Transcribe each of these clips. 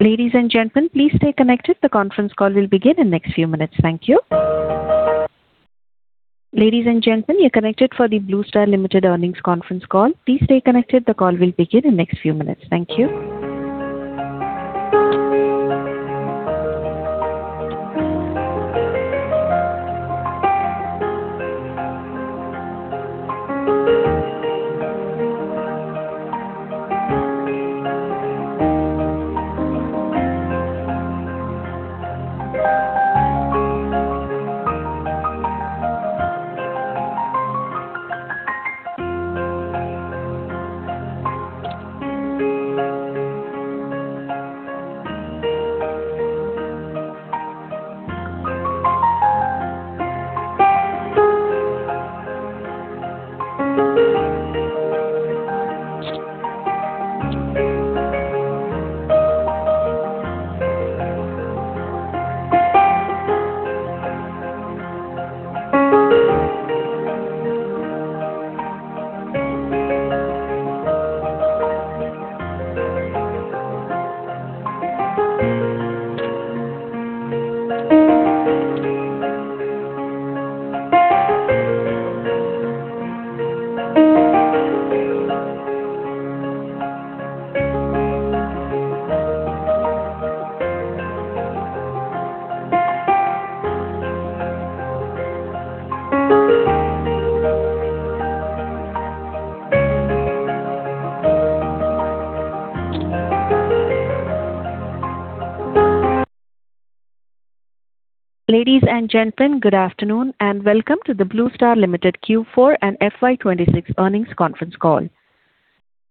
Ladies and gentlemen, good afternoon, and welcome to the Blue Star Limited Q4 and FY 2026 earnings conference call.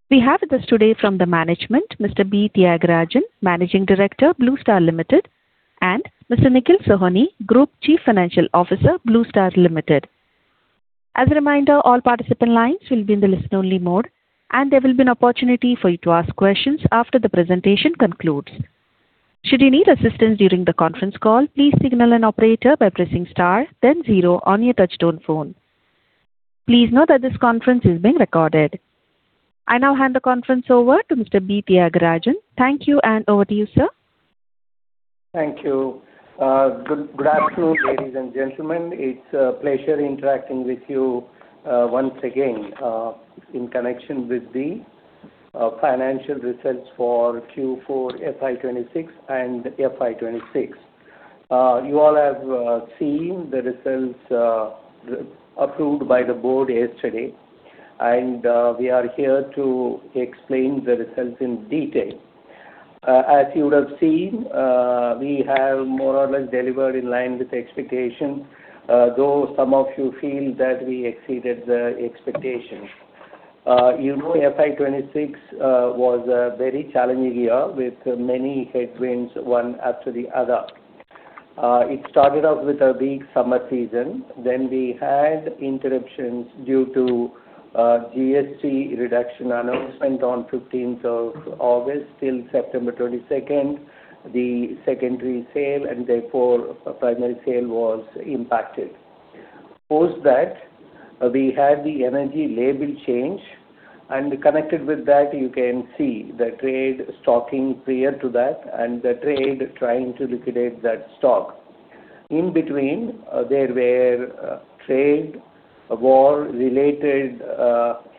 We have with us today from the management, Mr. B. Thiagarajan, Managing Director, Blue Star Limited, and Mr. Nikhil Sohoni, Group Chief Financial Officer, Blue Star Limited. As a reminder, all participant lines will be in the listen-only mode, and there will be an opportunity for you to ask questions after the presentation concludes. Should you need assistance during the conference call, please signal an operator by pressing star then zero on your touchtone phone. Please note that this conference is being recorded. I now hand the conference over to Mr. B. Thiagarajan. Thank you, and over to you, sir. Thank you. Good afternoon, ladies and gentlemen. It's a pleasure interacting with you once again in connection with the financial results for Q4 FY 2026 and FY 2026. You all have seen the results approved by the board yesterday, and we are here to explain the results in detail. As you would have seen, we have more or less delivered in line with expectation, though some of you feel that we exceeded the expectations. You know, FY 2026 was a very challenging year with many headwinds, one after the other. It started off with a weak summer season. We had interruptions due to GST reduction announcement on 15th of August till September 22nd. The secondary sale and therefore primary sale was impacted. Post that, we had the energy label change, and connected with that, you can see the trade stocking prior to that and the trade trying to liquidate that stock. In between, there were trade war-related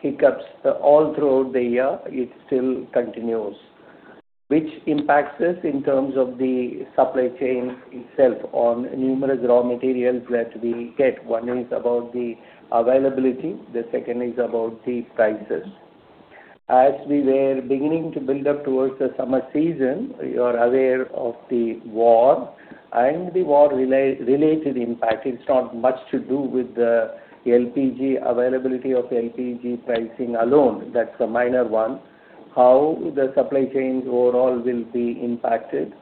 hiccups all throughout the year. It still continues, which impacts us in terms of the supply chain itself on numerous raw materials that we get. One is about the availability, the second is about the prices. As we were beginning to build up towards the summer season, you're aware of the war and the war related impact. It's not much to do with the LPG, availability of LPG pricing alone. That's a minor one. How the supply chains overall will be impacted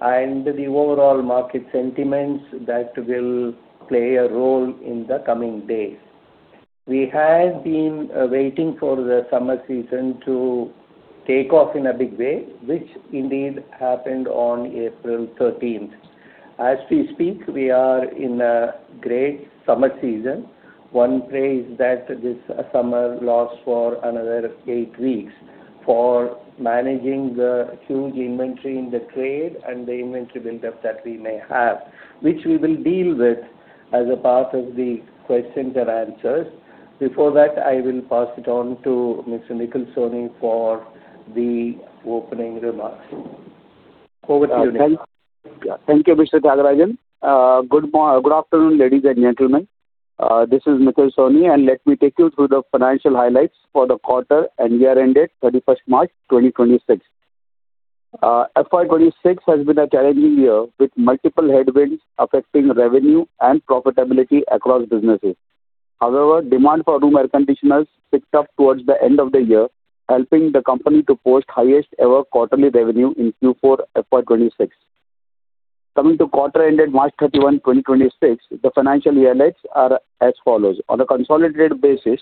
and the overall market sentiments that will play a role in the coming days. We had been waiting for the summer season to take off in a big way, which indeed happened on April 13th. As we speak, we are in a great summer season. One prays that this summer lasts for another eight weeks for managing the huge inventory in the trade and the inventory buildup that we may have, which we will deal with as a part of the questions and answers. Before that, I will pass it on to Mr. Nikhil Sohoni for the opening remarks. Over to you, Nikhil. Thank you, Mr. B. Thiagarajan. Good afternoon, ladies and gentlemen. This is Nikhil Sohoni. Let me take you through the financial highlights for the quarter and year ended March 31, 2026. FY 2026 has been a challenging year with multiple headwinds affecting revenue and profitability across businesses. However, demand for room air conditioners picked up towards the end of the year, helping the company to post highest ever quarterly revenue in Q4 FY 2026. Coming to quarter ended March 31, 2026, the financial highlights are as follows. On a consolidated basis,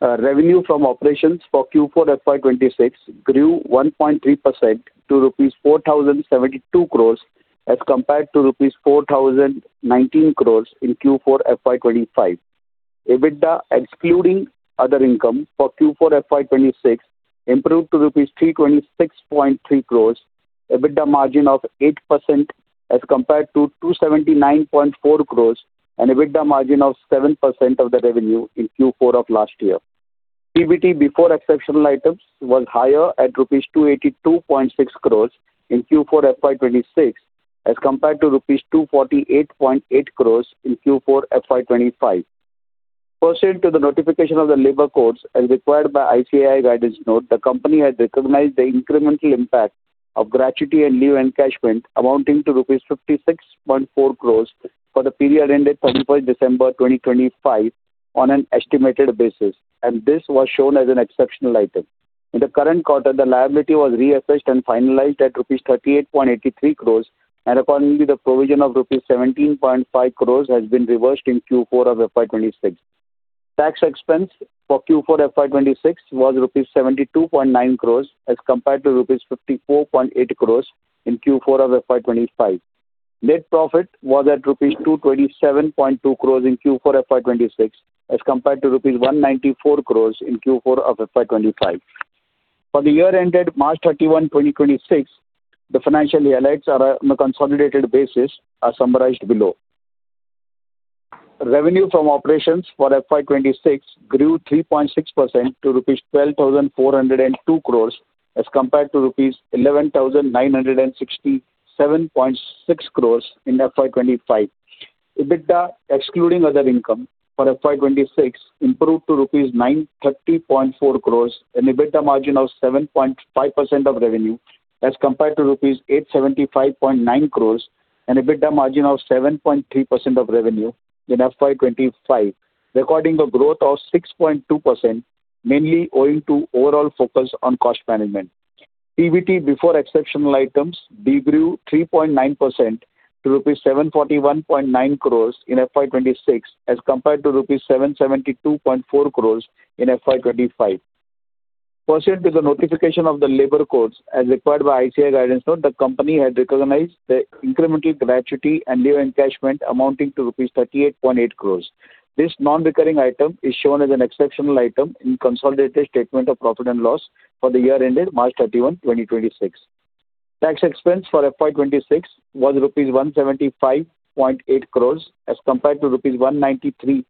revenue from operations for Q4 FY 2026 grew 1.3% to rupees 4,072 crores as compared to rupees 4,019 crores in Q4 FY 2025. EBITDA excluding other income for Q4 FY 2026 improved to rupees 326.3 crores. EBITDA margin of 8% as compared to 279.4 crores and EBITDA margin of 7% of the revenue in Q4 of last year. PBT before exceptional items was higher at rupees 282.6 crores in Q4 FY 2026 as compared to rupees 248.8 crores in Q4 FY 2025. Pursuant to the notification of the labor codes as required by ICAI guidance note, the company had recognized the incremental impact of gratuity and leave encashment amounting to rupees 56.4 crores for the period ended December 31, 2025 on an estimated basis, and this was shown as an exceptional item. In the current quarter, the liability was reassessed and finalized at rupees 38.83 crores, and accordingly, the provision of rupees 17.5 crores has been reversed in Q4 of FY 2026. Tax expense for Q4 FY 2026 was rupees 72.9 crores as compared to rupees 54.8 crores in Q4 of FY 2025. Net profit was at rupees 227.2 crores in Q4 FY 2026 as compared to rupees 194 crores in Q4 of FY 2025. For the year ended March 31, 2026, the financial highlights are on a consolidated basis are summarized below. Revenue from operations for FY 2026 grew 3.6% to rupees 12,402 crores as compared to rupees 11,967.6 crores in FY 2025. EBITDA excluding other income for FY 2026 improved to rupees 930.4 crores and EBITDA margin of 7.5% of revenue as compared to rupees 875.9 crores and EBITDA margin of 7.3% of revenue in FY 2025, recording a growth of 6.2% mainly owing to overall focus on cost management. PBT before exceptional items de-grew 3.9% to rupees 741.9 crores in FY 2026 as compared to rupees 772.4 crores in FY 2025. Pursuant to the notification of the labor codes as required by ICAI guidance note, the company had recognized the incremental gratuity and leave encashment amounting to rupees 38.8 crores. This non-recurring item is shown as an exceptional item in consolidated statement of profit and loss for the year ended March 31, 2026. Tax expense for FY 2026 was rupees 175.8 crores as compared to rupees 193.6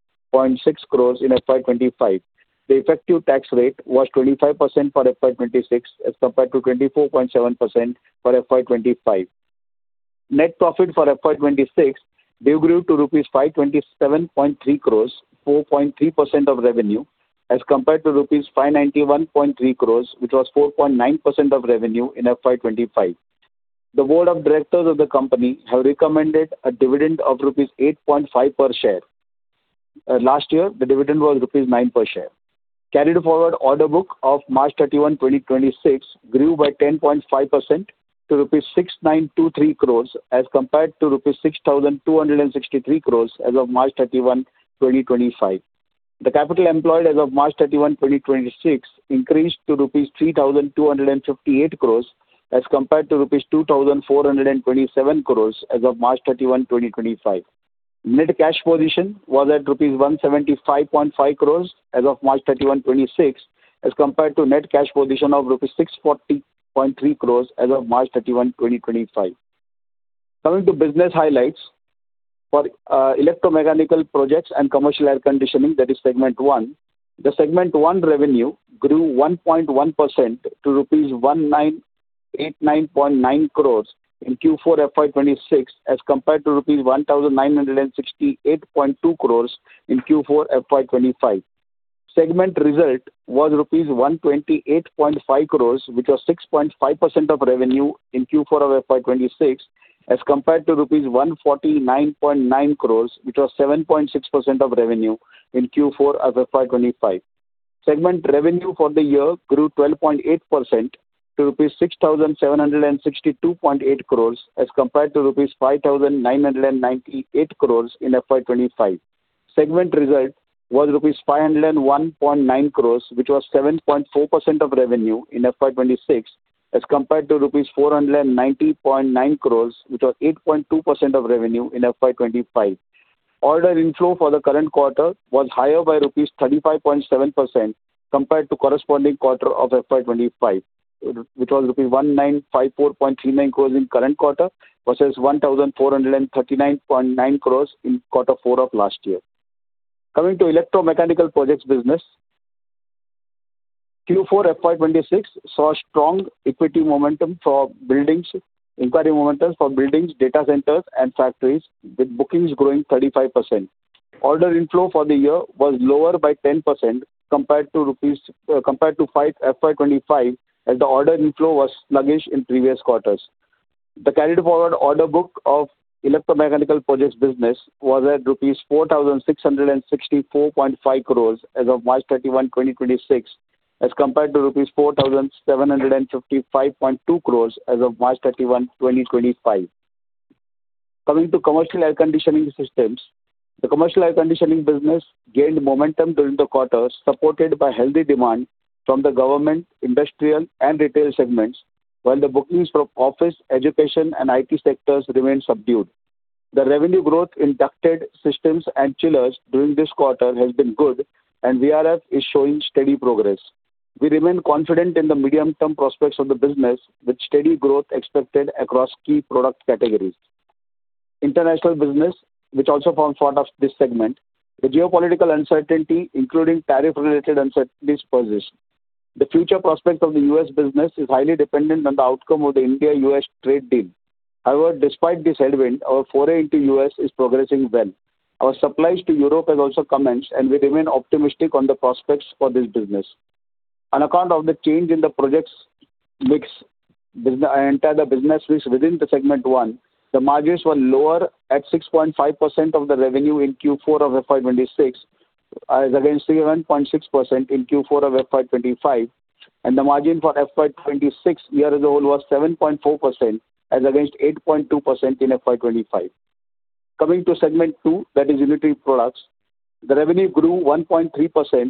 crores in FY 2025. The effective tax rate was 25% for FY 2026 as compared to 24.7% for FY 2025. Net profit for FY 2026 de-grew to rupees 527.3 crores, 4.3% of revenue as compared to rupees 591.3 crores, which was 4.9% of revenue in FY 2025. The board of directors of the company have recommended a dividend of rupees 8.5 per share. Last year, the dividend was rupees 9 per share. Carried forward order book of March 31, 2026 grew by 10.5% to rupees 6,923 crores as compared to rupees 6,263 crores as of March 31, 2025. The capital employed as of March 31, 2026 increased to rupees 3,258 crores as compared to rupees 2,427 crores as of March 31, 2025. Net cash position was at rupees 175.5 crores as of March 31, 2026, as compared to net cash position of rupees 640.3 crores as of March 31, 2025. Coming to business highlights for electromechanical projects and commercial air conditioning, that is segment one. The segment one revenue grew 1.1% to rupees 1,989.9 crores in Q4 FY 2026 as compared to rupees 1,968.2 crores in Q4 FY 2025. Segment result was rupees 128.5 crores, which was 6.5% of revenue in Q4 of FY 2026 as compared to rupees 149.9 crores, which was 7.6% of revenue in Q4 of FY 2025. Segment revenue for the year grew 12.8% to rupees 6,762.8 crores as compared to rupees 5,998 crores in FY 2025. Segment result was rupees 501.9 crores, which was 7.4% of revenue in FY 2026 as compared to rupees 490.9 crores, which was 8.2% of revenue in FY 2025. Order inflow for the current quarter was higher by INR 35.7% compared to corresponding quarter of FY 2025, which was rupees 1,954.39 crores in current quarter versus 1,439.9 crores in quarter four of last year. Coming to electromechanical projects business. Q4 FY 2026 saw strong inquiry momentum for buildings, data centers and factories, with bookings growing 35%. Order inflow for the year was lower by 10% compared to INR, compared to FY 2025, as the order inflow was sluggish in previous quarters. The carried forward order book of electromechanical projects business was at rupees 4,664.5 crores as of March 31, 2026, as compared to rupees 4,755.2 crores as of March 31, 2025. Coming to commercial air conditioning systems. The commercial air conditioning business gained momentum during the quarter, supported by healthy demand from the government, industrial and retail segments. The bookings from office, education, and IT sectors remain subdued. The revenue growth in ducted systems and chillers during this quarter has been good, and VRF is showing steady progress. We remain confident in the medium-term prospects of the business, with steady growth expected across key product categories. International business, which also forms part of this segment. The geopolitical uncertainty, including tariff-related uncertainties, persist. The future prospect of the U.S. business is highly dependent on the outcome of the India-U.S. trade deal. However, despite this headwind, our foray into U.S. is progressing well. Our supplies to Europe has also commenced, and we remain optimistic on the prospects for this business. On account of the change in the projects mix, entire business mix within the segment one, the margins were lower at 6.5% of the revenue in Q4 of FY 2026, as against 11.6% in Q4 of FY 2025, and the margin for FY 2026 year-over-year was 7.4% as against 8.2% in FY 2025. Coming to segment two, that is unitary products, the revenue grew 1.3%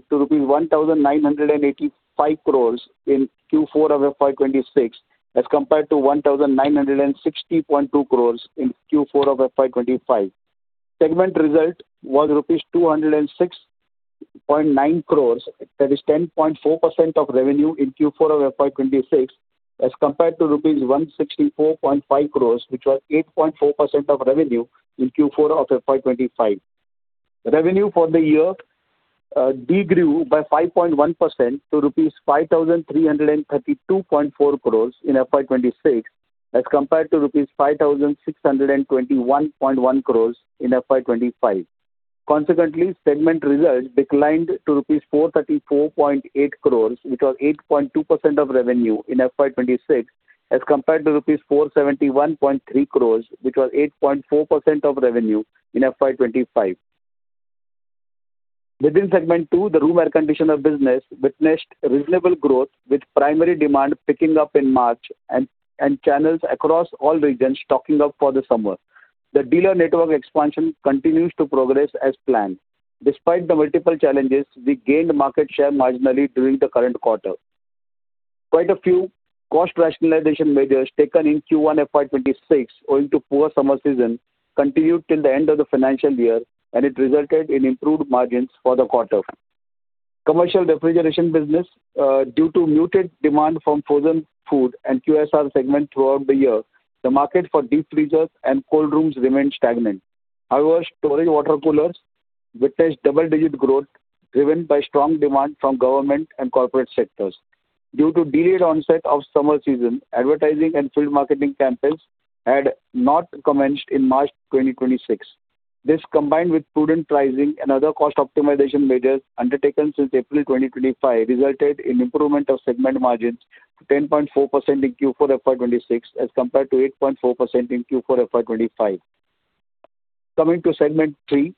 to rupees 1,985 crores in Q4 of FY 2026, as compared to 1,960.2 crores in Q4 of FY 2025. Segment result was rupees 206.9 crores, that is 10.4% of revenue in Q4 of FY 2026, as compared to rupees 164.5 crores, which was 8.4% of revenue in Q4 of FY 2025. Revenue for the year degrew by 5.1% to rupees 5,332.4 crores in FY 2026, as compared to rupees 5,621.1 crores in FY 2025. Consequently, segment results declined to rupees 434.8 crores, which was 8.2% of revenue in FY 2026, as compared to rupees 471.3 crores, which was 8.4% of revenue in FY 2025. Within segment two, the room air conditioner business witnessed reasonable growth, with primary demand picking up in March and channels across all regions stocking up for the summer. The dealer network expansion continues to progress as planned. Despite the multiple challenges, we gained market share marginally during the current quarter. Quite a few cost rationalization measures taken in Q1 FY 2026 owing to poor summer season continued till the end of the financial year, and it resulted in improved margins for the quarter. Commercial refrigeration business, due to muted demand from frozen food and QSR segment throughout the year, the market for deep freezers and cold rooms remained stagnant. However, storage water coolers witnessed double-digit growth, driven by strong demand from government and corporate sectors. Due to delayed onset of summer season, advertising and field marketing campaigns had not commenced in March 2026. This, combined with prudent pricing and other cost optimization measures undertaken since April 2025, resulted in improvement of segment margins to 10.4% in Q4 FY 2026, as compared to 8.4% in Q4 FY 2025. Coming to segment three,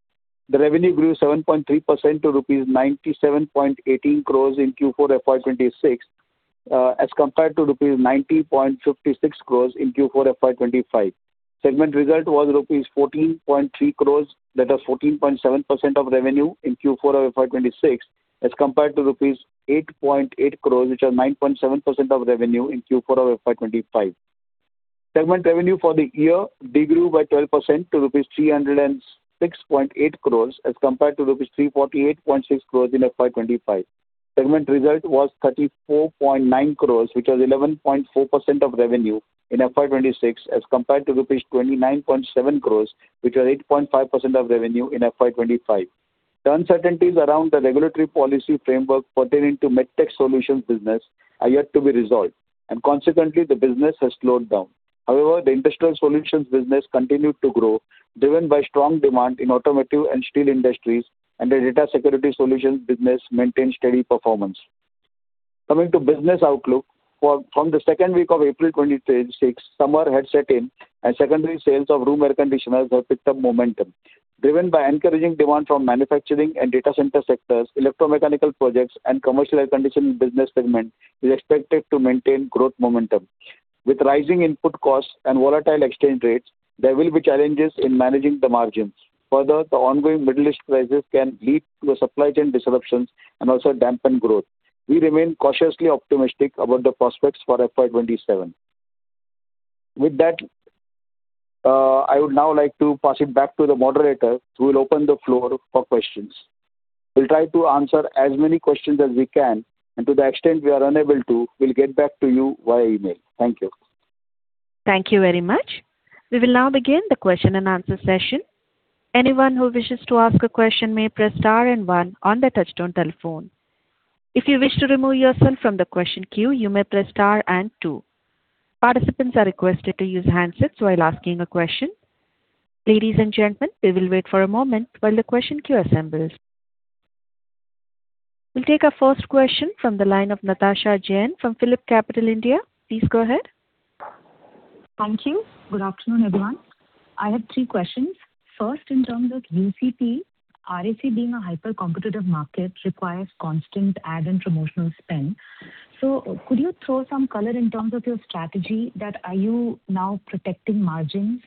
the revenue grew 7.3% to rupees 97.18 crores in Q4 FY 2026, as compared to rupees 90.56 crores in Q4 FY 2025. Segment result was rupees 14.3 crores, that is 14.7% of revenue in Q4 of FY 2026, as compared to rupees 8.8 crores, which are 9.7% of revenue in Q4 of FY 2025. Segment revenue for the year degrew by 12% to rupees 306.8 crores as compared to rupees 348.6 crores in FY 2025. Segment result was 34.9 crores, which was 11.4% of revenue in FY 2026, as compared to rupees 29.7 crores, which was 8.5% of revenue in FY 2025. The uncertainties around the regulatory policy framework pertaining to MedTech Solutions business are yet to be resolved, and consequently the business has slowed down. The Industrial Solutions business continued to grow, driven by strong demand in automotive and steel industries, and the Data Security Solutions business maintained steady performance. Coming to business outlook. From the second week of April 2026, summer had set in, and secondary sales of room air conditioners have picked up momentum. Driven by encouraging demand from manufacturing and data center sectors, electromechanical projects and commercial air conditioning business segment is expected to maintain growth momentum. With rising input costs and volatile exchange rates, there will be challenges in managing the margins. The ongoing Middle East crisis can lead to supply chain disruptions and also dampen growth. We remain cautiously optimistic about the prospects for FY 2027. With that, I would now like to pass it back to the moderator, who will open the floor for questions. We'll try to answer as many questions as we can, and to the extent we are unable to, we'll get back to you via email. Thank you. Thank you very much. We will now begin the question and answer session. Anyone who wishes to ask a question may press star and one on the touchtone telephone. If you wish to remove yourself from the question queue, you may press star and two. Participants are requested to use handsets while asking a question. Ladies and gentlemen, we will wait for a moment while the question queue assembles. We'll take our first question from the line of Natasha Jain from PhillipCapital India. Please go ahead. Thank you. Good afternoon, everyone. I have three questions. First, in terms of UCP, RAC being a hyper-competitive market requires constant ad and promotional spend. Could you throw some color in terms of your strategy that are you now protecting margins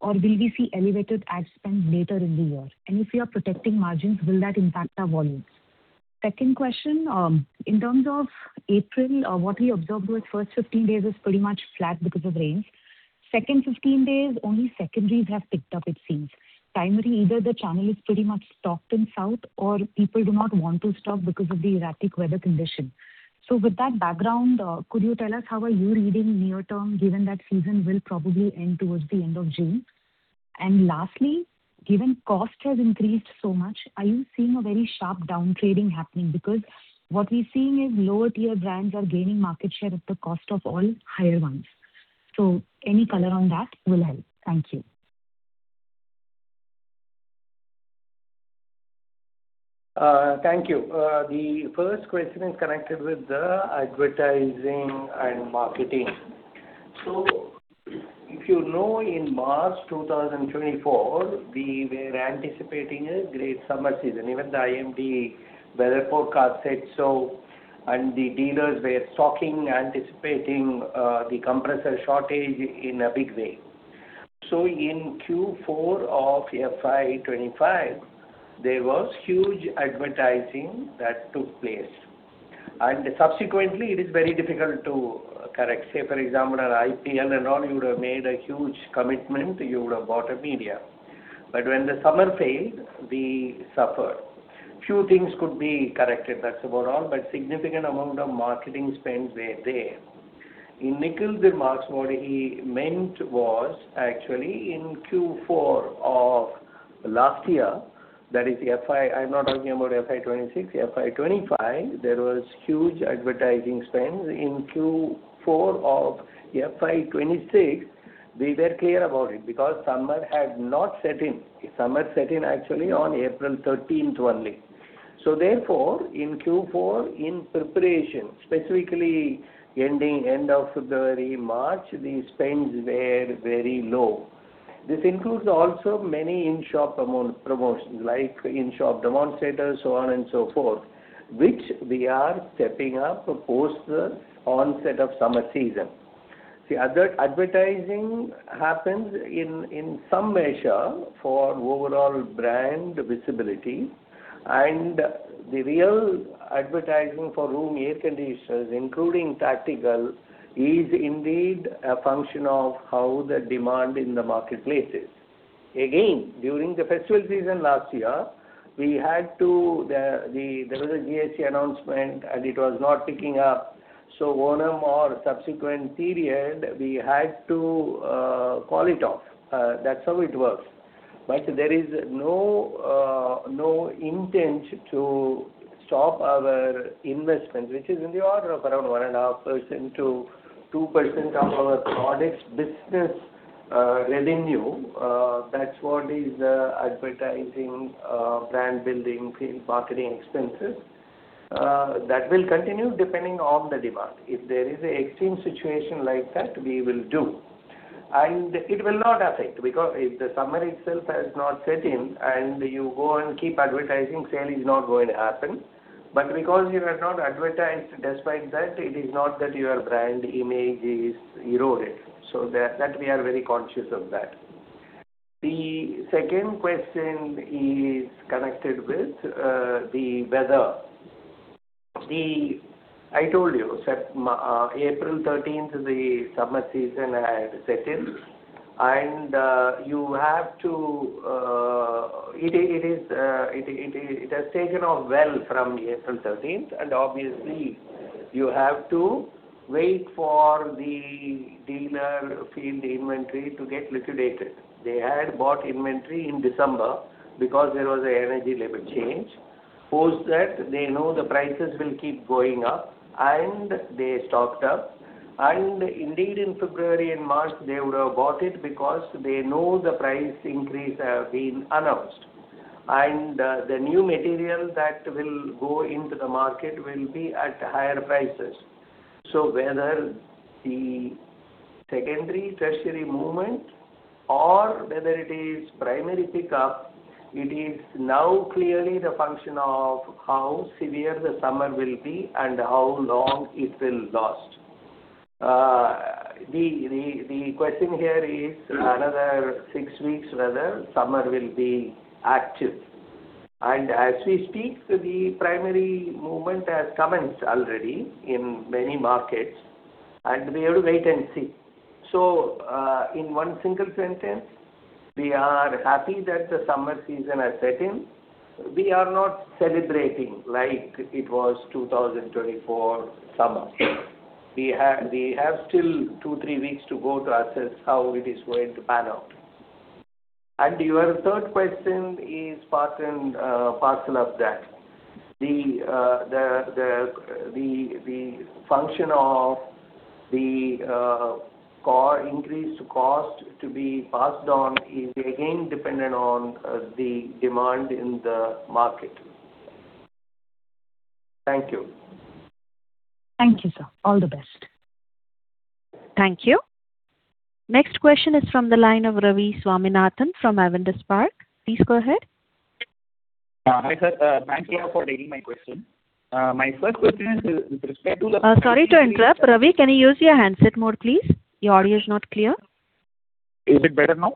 or will we see elevated ad spend later in the year? If you are protecting margins, will that impact our volumes? Second question. In terms of April, what we observed was first 15 days is pretty much flat because of rains. Second 15 days, only secondaries have picked up it seems. Primary, either the channel is pretty much stocked in south or people do not want to stock because of the erratic weather condition. With that background, could you tell us how are you reading near term given that season will probably end towards the end of June? Lastly, given cost has increased so much, are you seeing a very sharp down-trading happening? What we're seeing is lower tier brands are gaining market share at the cost of all higher ones. Any color on that will help. Thank you. Thank you. The first question is connected with the advertising and marketing. If you know in March 2024, we were anticipating a great summer season. Even the IMD weather forecast said so, and the dealers were stocking, anticipating the compressor shortage in a big way. In Q4 of FY 2025, there was huge advertising that took place. Subsequently, it is very difficult to correct. Say for example, on IPL and all you would have made a huge commitment, you would have bought a media. When the summer failed, we suffered. Few things could be corrected, that's about all, but significant amount of marketing spends were there. In Nikhil's remarks, what he meant was actually in Q4 of last year, that is FY I'm not talking about FY 2026, FY 2025, there was huge advertising spends. In Q4 of FY 2026, we were clear about it because summer had not set in. Summer set in actually on April 13th only. Therefore, in Q4, in preparation, specifically ending end of February, March, the spends were very low. This includes also many in-shop promotions, like in-shop demonstrators, so on and so forth, which we are stepping up post the onset of summer season. See, other advertising happens in some measure for overall brand visibility, and the real advertising for room air conditioners, including tactical, is indeed a function of how the demand in the marketplace is. During the festival season last year, we had to. There was a GST announcement, it was not picking up. Onam or subsequent period, we had to call it off. That's how it works. There is no no intent to stop our investments, which is in the order of around 1.5% to 2% of our products business revenue. That's what is advertising, brand building, field marketing expenses. That will continue depending on the demand. If there is a extreme situation like that, we will do. It will not affect because if the summer itself has not set in and you go and keep advertising, sale is not going to happen. Because you have not advertised despite that, it is not that your brand image is eroded. That we are very conscious of that. The second question is connected with the weather. I told you, April 13th, the summer season had set in. You have to. It has taken off well from April 13th. Obviously you have to wait for the dealer field inventory to get liquidated. They had bought inventory in December because there was an energy label change. Post that, they know the prices will keep going up, and they stocked up. Indeed in February and March, they would have bought it because they know the price increase have been announced. The new material that will go into the market will be at higher prices. Whether the secondary, tertiary movement or whether it is primary pickup, it is now clearly the function of how severe the summer will be and how long it will last. The question here is another six weeks whether summer will be active. As we speak, the primary movement has commenced already in many markets, and we have to wait and see. In one single sentence, we are happy that the summer season has set in. We are not celebrating like it was 2024 summer. We have still two, three weeks to go to assess how it is going to pan out. Your third question is part and parcel of that. The function of the CapEx increase to cost to be passed on is again dependent on the demand in the market. Thank you. Thank you, sir. All the best. Thank you. Next question is from the line of Ravi Swaminathan from Avendus Spark. Please go ahead. Hi, sir. Thanks a lot for taking my question. My first question is with respect to the- Sorry to interrupt. Ravi, can you use your handset mode, please? Your audio is not clear. Is it better now?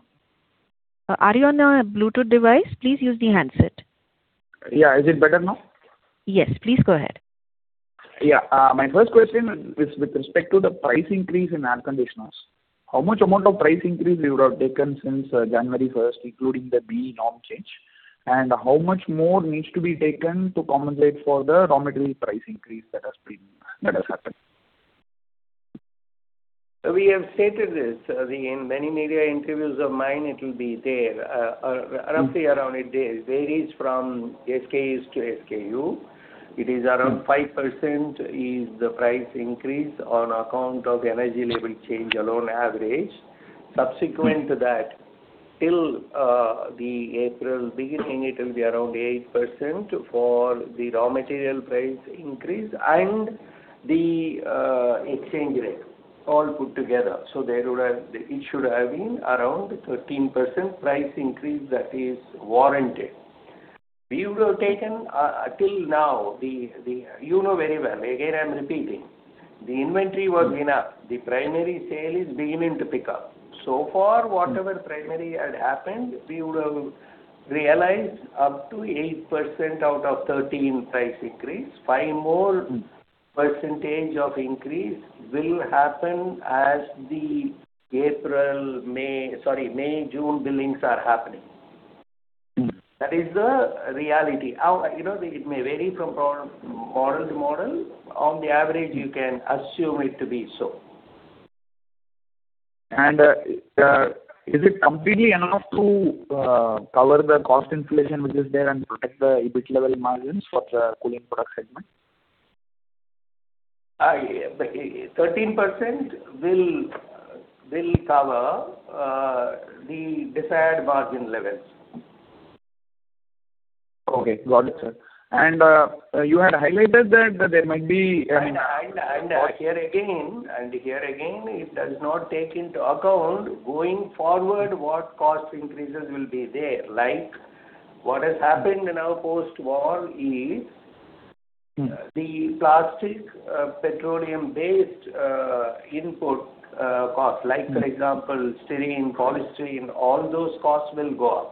Are you on a Bluetooth device? Please use the handset. Yeah. Is it better now? Yes, please go ahead. Yeah. My first question is with respect to the price increase in air conditioners. How much amount of price increase you would have taken since January first, including the BEE norm change? How much more needs to be taken to compensate for the raw material price increase that has happened? We have stated this. In many media interviews of mine it will be there. Roughly around it is, varies from SKUs to SKU. It is around 5% is the price increase on account of energy label change alone average. Subsequent to that, till the April beginning, it will be around 8% for the raw material price increase and the exchange rate all put together. It should have been around 13% price increase that is warranted. We would have taken till now, you know very well, again, I'm repeating. The inventory was enough. The primary sale is beginning to pick up. So far, whatever primary had happened, we would have realized up to 8% out of 13% price increase. Five more percentage of increase will happen as the April, May, June billings are happening. That is the reality. You know, it may vary from model to model. On the average, you can assume it to be so. Is it completely enough to cover the cost inflation which is there and protect the EBIT level margins for the cooling product segment? The 13% will cover the desired margin levels. Okay. Got it, sir. You had highlighted that. Here again, it does not take into account going forward what cost increases will be there. Like, what has happened now post-war is, the plastic, petroleum-based, input, cost, like for example styrene, polystyrene, all those costs will go up.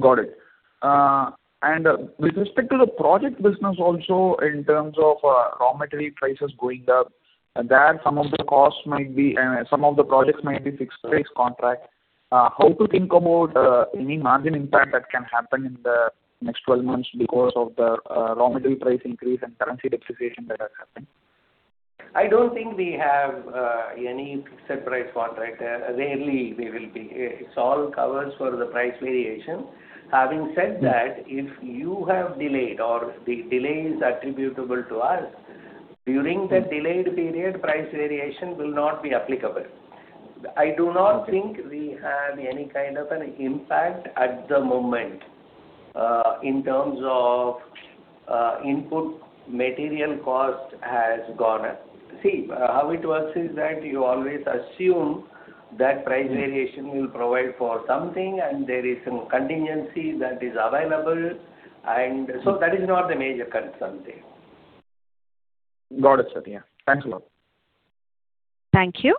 Got it. With respect to the project business also in terms of raw material prices going up, there some of the costs might be, some of the projects might be fixed price contract. How to think about any margin impact that can happen in the next 12 months because of the raw material price increase and currency depreciation that has happened? I don't think we have any fixed price contract. Rarely we will be. It's all covers for the price variation. If you have delayed or the delay is attributable to us, during that delayed period, price variation will not be applicable. I do not think we have any kind of an impact at the moment, in terms of input material cost has gone up. See, how it works is that you always assume that price variation will provide for something, and there is some contingency that is available and that is not the major concern there. Got it, sir. Yeah. Thanks a lot. Thank you.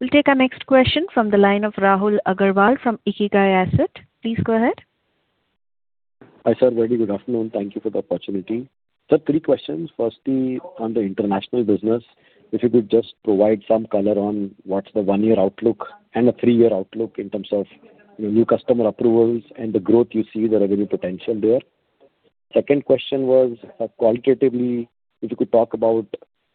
We'll take our next question from the line of Rahul Agarwal from Ikigai Asset. Please go ahead. Hi, sir. Very good afternoon. Thank you for the opportunity. Sir, three questions. Firstly, on the international business, if you could just provide some color on what's the one-year outlook and a three-year outlook in terms of your new customer approvals and the growth you see the revenue potential there. Second question was qualitatively, if you could talk about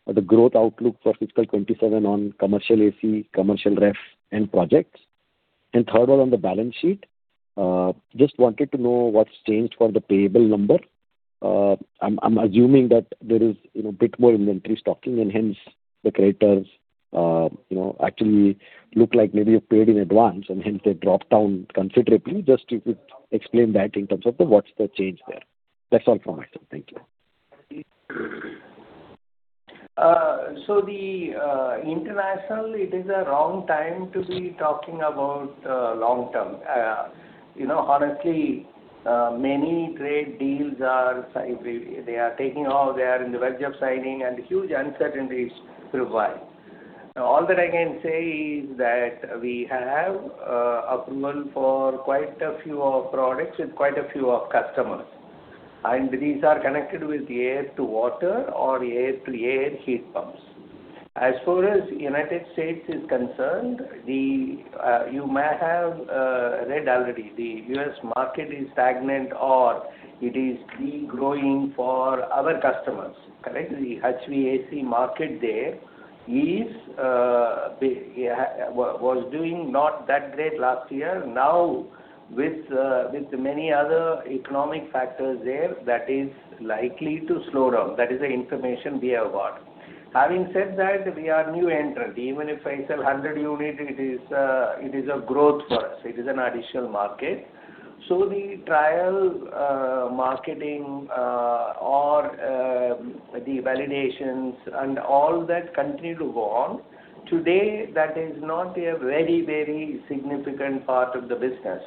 the growth outlook for FY 2027 on commercial AC, commercial ref and projects. Third one on the balance sheet. Just wanted to know what's changed for the payable number. I'm assuming that there is, you know, bit more inventory stocking and hence the creditors, you know, actually look like maybe you paid in advance and hence they dropped down considerably. Just if you could explain that in terms of the what's the change there. That's all from my side. Thank you. The international, it is a wrong time to be talking about long term. You know, honestly, many trade deals are signed. They are taking off, they are in the verge of signing and huge uncertainty prevails. All that I can say is that we have approval for quite a few products with quite a few customers, and these are connected with air-to-water or air-to-air heat pumps. As far as the U.S. is concerned, you might have read already, the U.S. market is stagnant or it is de-growing for our customers. Correct? The HVAC market there was doing not that great last year. Now, with many other economic factors there, that is likely to slow down. That is the information we have got. Having said that, we are new entrant. Even if I sell 100 units, it is, it is a growth for us. It is an additional market. The trial, marketing, or the validations and all that continue to go on. Today, that is not a very, very significant part of the business.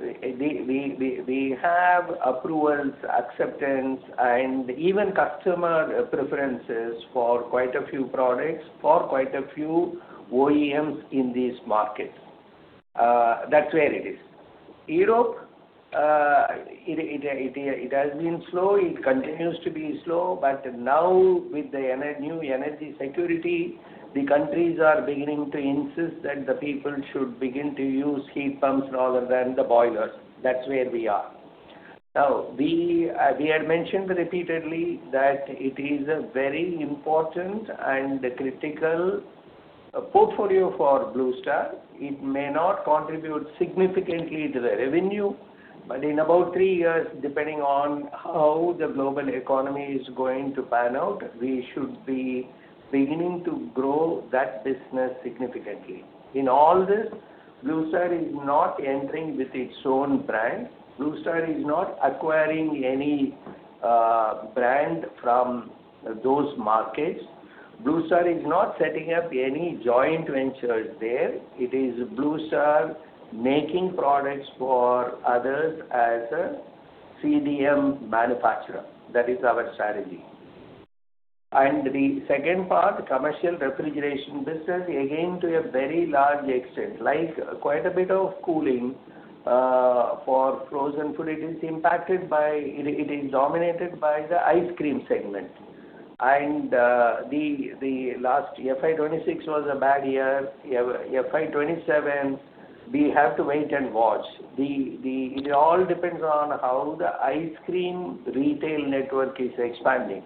We have approvals, acceptance and even customer preferences for quite a few products, for quite a few OEMs in these markets. That's where it is. Europe, it, it has been slow. It continues to be slow. Now with the new energy security, the countries are beginning to insist that the people should begin to use heat pumps rather than the boilers. That's where we are. Now, we had mentioned repeatedly that it is a very important and critical portfolio for Blue Star. It may not contribute significantly to the revenue, but in about three years, depending on how the global economy is going to pan out, we should be beginning to grow that business significantly. In all this, Blue Star is not entering with its own brand. Blue Star is not acquiring any brand from those markets. Blue Star is not setting up any joint ventures there. It is Blue Star making products for others as an ODM manufacturer. That is our strategy. The second part, commercial refrigeration business, again, to a very large extent, like quite a bit of cooling for frozen food, it is dominated by the ice cream segment. The last FY 2026 was a bad year. FY 2027, we have to wait and watch. It all depends on how the ice cream retail network is expanding,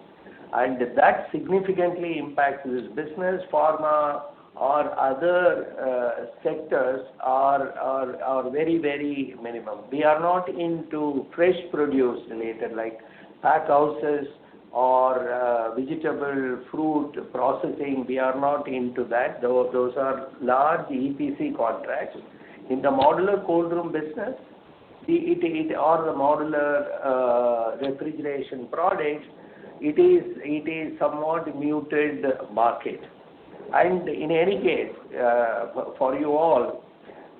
and that significantly impacts this business. Pharma or other sectors are very minimum. We are not into fresh produce related like pack houses or vegetable, fruit processing. We are not into that. Though those are large EPC contracts. In the modular cold room business, or the modular refrigeration products, it is somewhat muted market. In any case, for you all,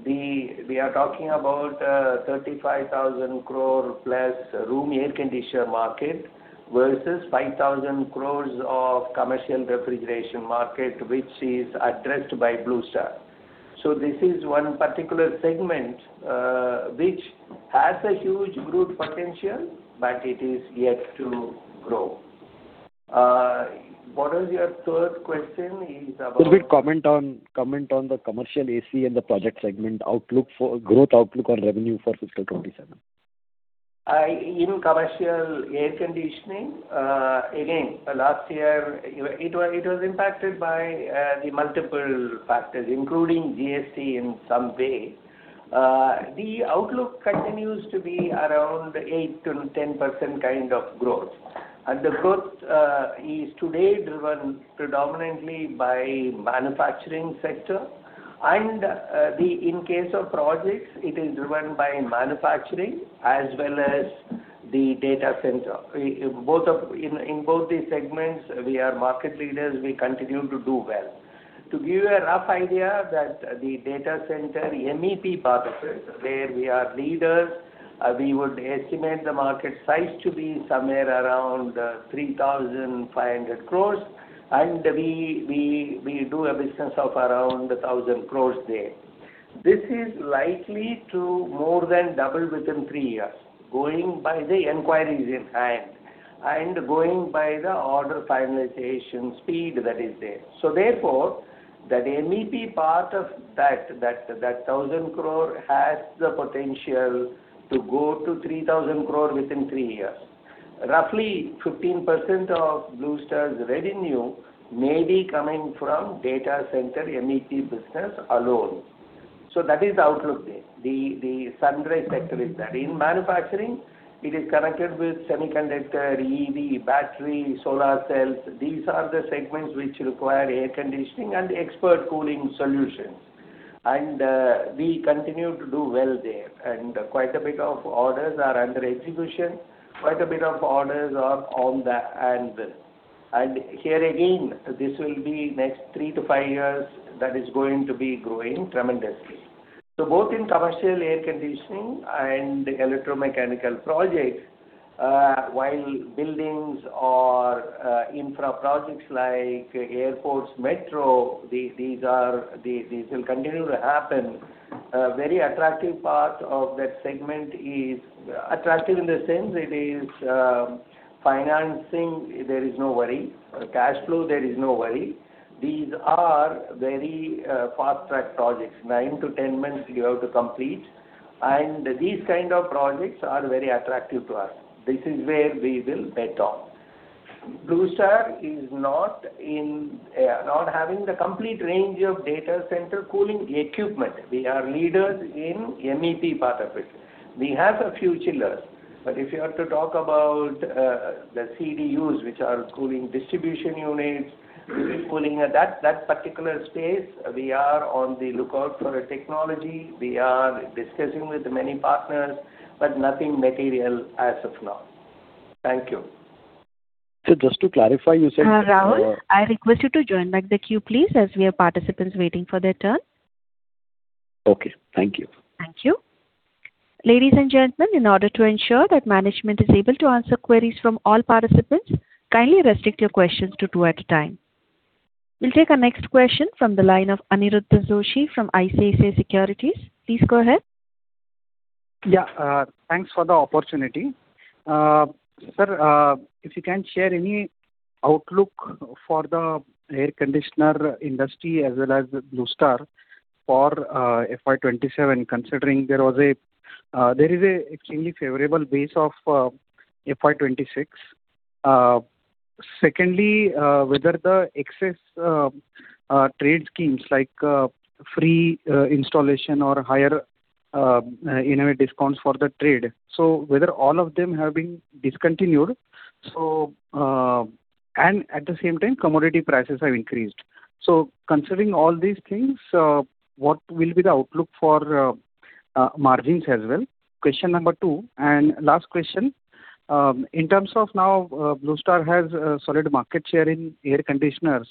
we are talking about 35,000 crore plus room air conditioner market versus 5,000 crore of commercial refrigeration market, which is addressed by Blue Star. This is one particular segment which has a huge growth potential, but it is yet to grow. What was your third question is about. Could we comment on the commercial AC and the project segment outlook growth outlook on revenue for fiscal 2027? In commercial air conditioning, again, last year, it was impacted by the multiple factors, including GST in some way. The outlook continues to be around 8%-10% kind of growth. The growth is today driven predominantly by manufacturing sector. In case of projects, it is driven by manufacturing as well as the data center. In both these segments, we are market leaders. We continue to do well. To give you a rough idea that the data center, the MEP part of it, where we are leaders, we would estimate the market size to be somewhere around 3,500 crores, and we do a business of around 1,000 crores there. This is likely to more than double within three years, going by the inquiries in hand and going by the order finalization speed that is there. Therefore, that MEP part of that 1,000 crore has the potential to go to 3,000 crore within three years. Roughly 15% of Blue Star's revenue may be coming from data center MEP business alone. That is the outlook there. The sunrise sector is that. In manufacturing, it is connected with semiconductor, EV, battery, solar cells. We continue to do well there, and quite a bit of orders are under execution. Quite a bit of orders are on the anvil. Here again, this will be next 3-5 years that is going to be growing tremendously. Both in commercial air conditioning and electromechanical projects, while buildings or infra projects like airports, metro, these will continue to happen. A very attractive part of that segment is Attractive in the sense it is, financing, there is no worry. Cash flow, there is no worry. These are very fast-track projects. 9-10 months you have to complete. These kind of projects are very attractive to us. This is where we will bet on. Blue Star is not in, not having the complete range of data center cooling equipment. We are leaders in MEP part of it. We have a few chillers. If you have to talk about the CDUs, which are cooling distribution units, cooling at that particular space, we are on the lookout for a technology. We are discussing with many partners, but nothing material as of now. Thank you. Just to clarify, you said? Rahul, I request you to join back the queue, please, as we have participants waiting for their turn. Okay. Thank you. Thank you. Ladies and gentlemen, in order to ensure that management is able to answer queries from all participants, kindly restrict your questions to two at a time. We'll take our next question from the line of Aniruddha Joshi from ICICI Securities. Please go ahead. Yeah. Thanks for the opportunity, sir, if you can share any outlook for the air conditioner industry as well as Blue Star for FY 2027, considering there is a extremely favorable base of FY 2026. Secondly, whether the excess trade schemes like free installation or higher, you know, discounts for the trade. Whether all of them have been discontinued. At the same time, commodity prices have increased. Considering all these things, what will be the outlook for margins as well? Question two and last question. In terms of now, Blue Star has a solid market share in air conditioners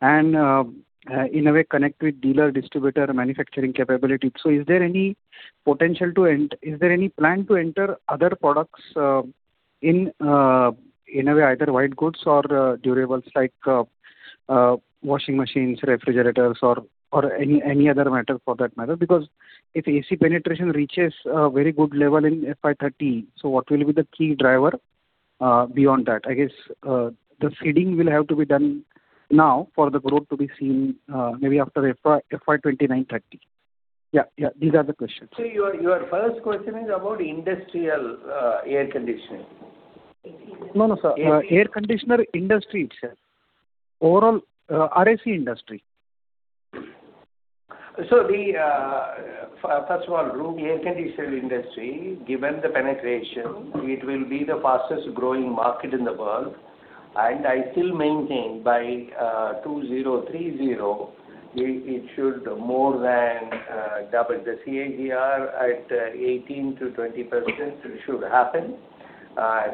and in a way connect with dealer, distributor, manufacturing capability. Is there any plan to enter other products in a way, either white goods or durables like washing machines, refrigerators or any other matter for that matter? If AC penetration reaches a very good level in FY 2030, what will be the key driver beyond that? I guess, the seeding will have to be done now for the growth to be seen maybe after FY 2029, 2030. These are the questions. Your first question is about industrial air conditioning. No, no, sir. Air conditioner industry itself. Overall, RAC industry. First of all, room air conditioner industry, given the penetration, it will be the fastest growing market in the world. I still maintain by 2030, it should more than double the CAGR at 18%-20% should happen.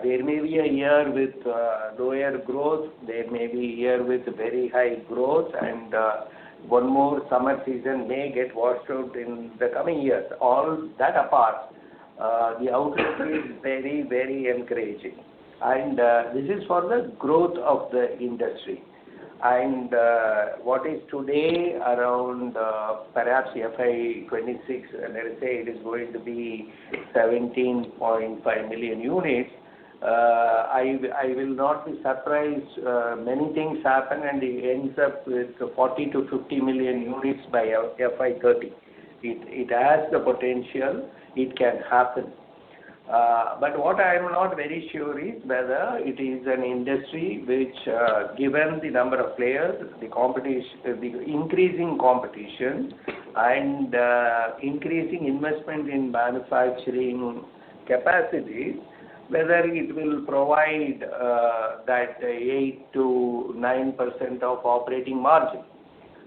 There may be a year with lower growth, there may be a year with very high growth, one more summer season may get washed out in the coming years. All that apart, the outlook is very, very encouraging. This is for the growth of the industry. What is today around perhaps FY 2026, let's say it is going to be 17.5 million units, I will not be surprised, many things happen and it ends up with 40 million-50 million units by FY 2030. It has the potential, it can happen. What I'm not very sure is whether it is an industry which, given the number of players, the increasing competition and increasing investment in manufacturing capacities, whether it will provide that 8%-9% of operating margin.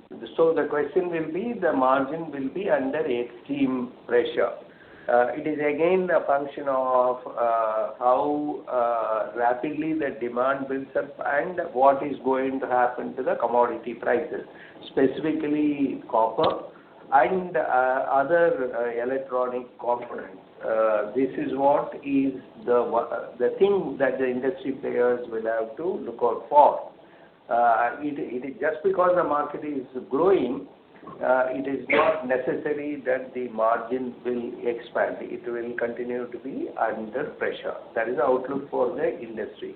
The question will be the margin will be under extreme pressure. It is again a function of how rapidly the demand builds up and what is going to happen to the commodity prices, specifically copper and other electronic components. This is what is the thing that the industry players will have to look out for. It is just because the market is growing, it is not necessary that the margin will expand. It will continue to be under pressure. That is the outlook for the industry.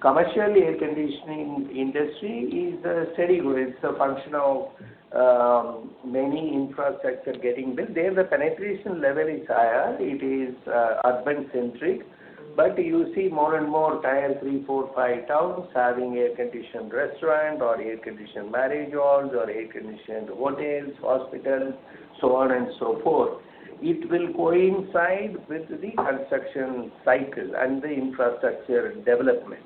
Commercial air conditioning industry is a steady growth. It's a function of many infrastructure getting built. There, the penetration level is higher. It is urban-centric. You see more and more tier 3, 4, 5 towns having air-conditioned restaurant or air-conditioned marriage halls or air-conditioned hotels, hospitals, so on and so forth. It will coincide with the construction cycle and the infrastructure development.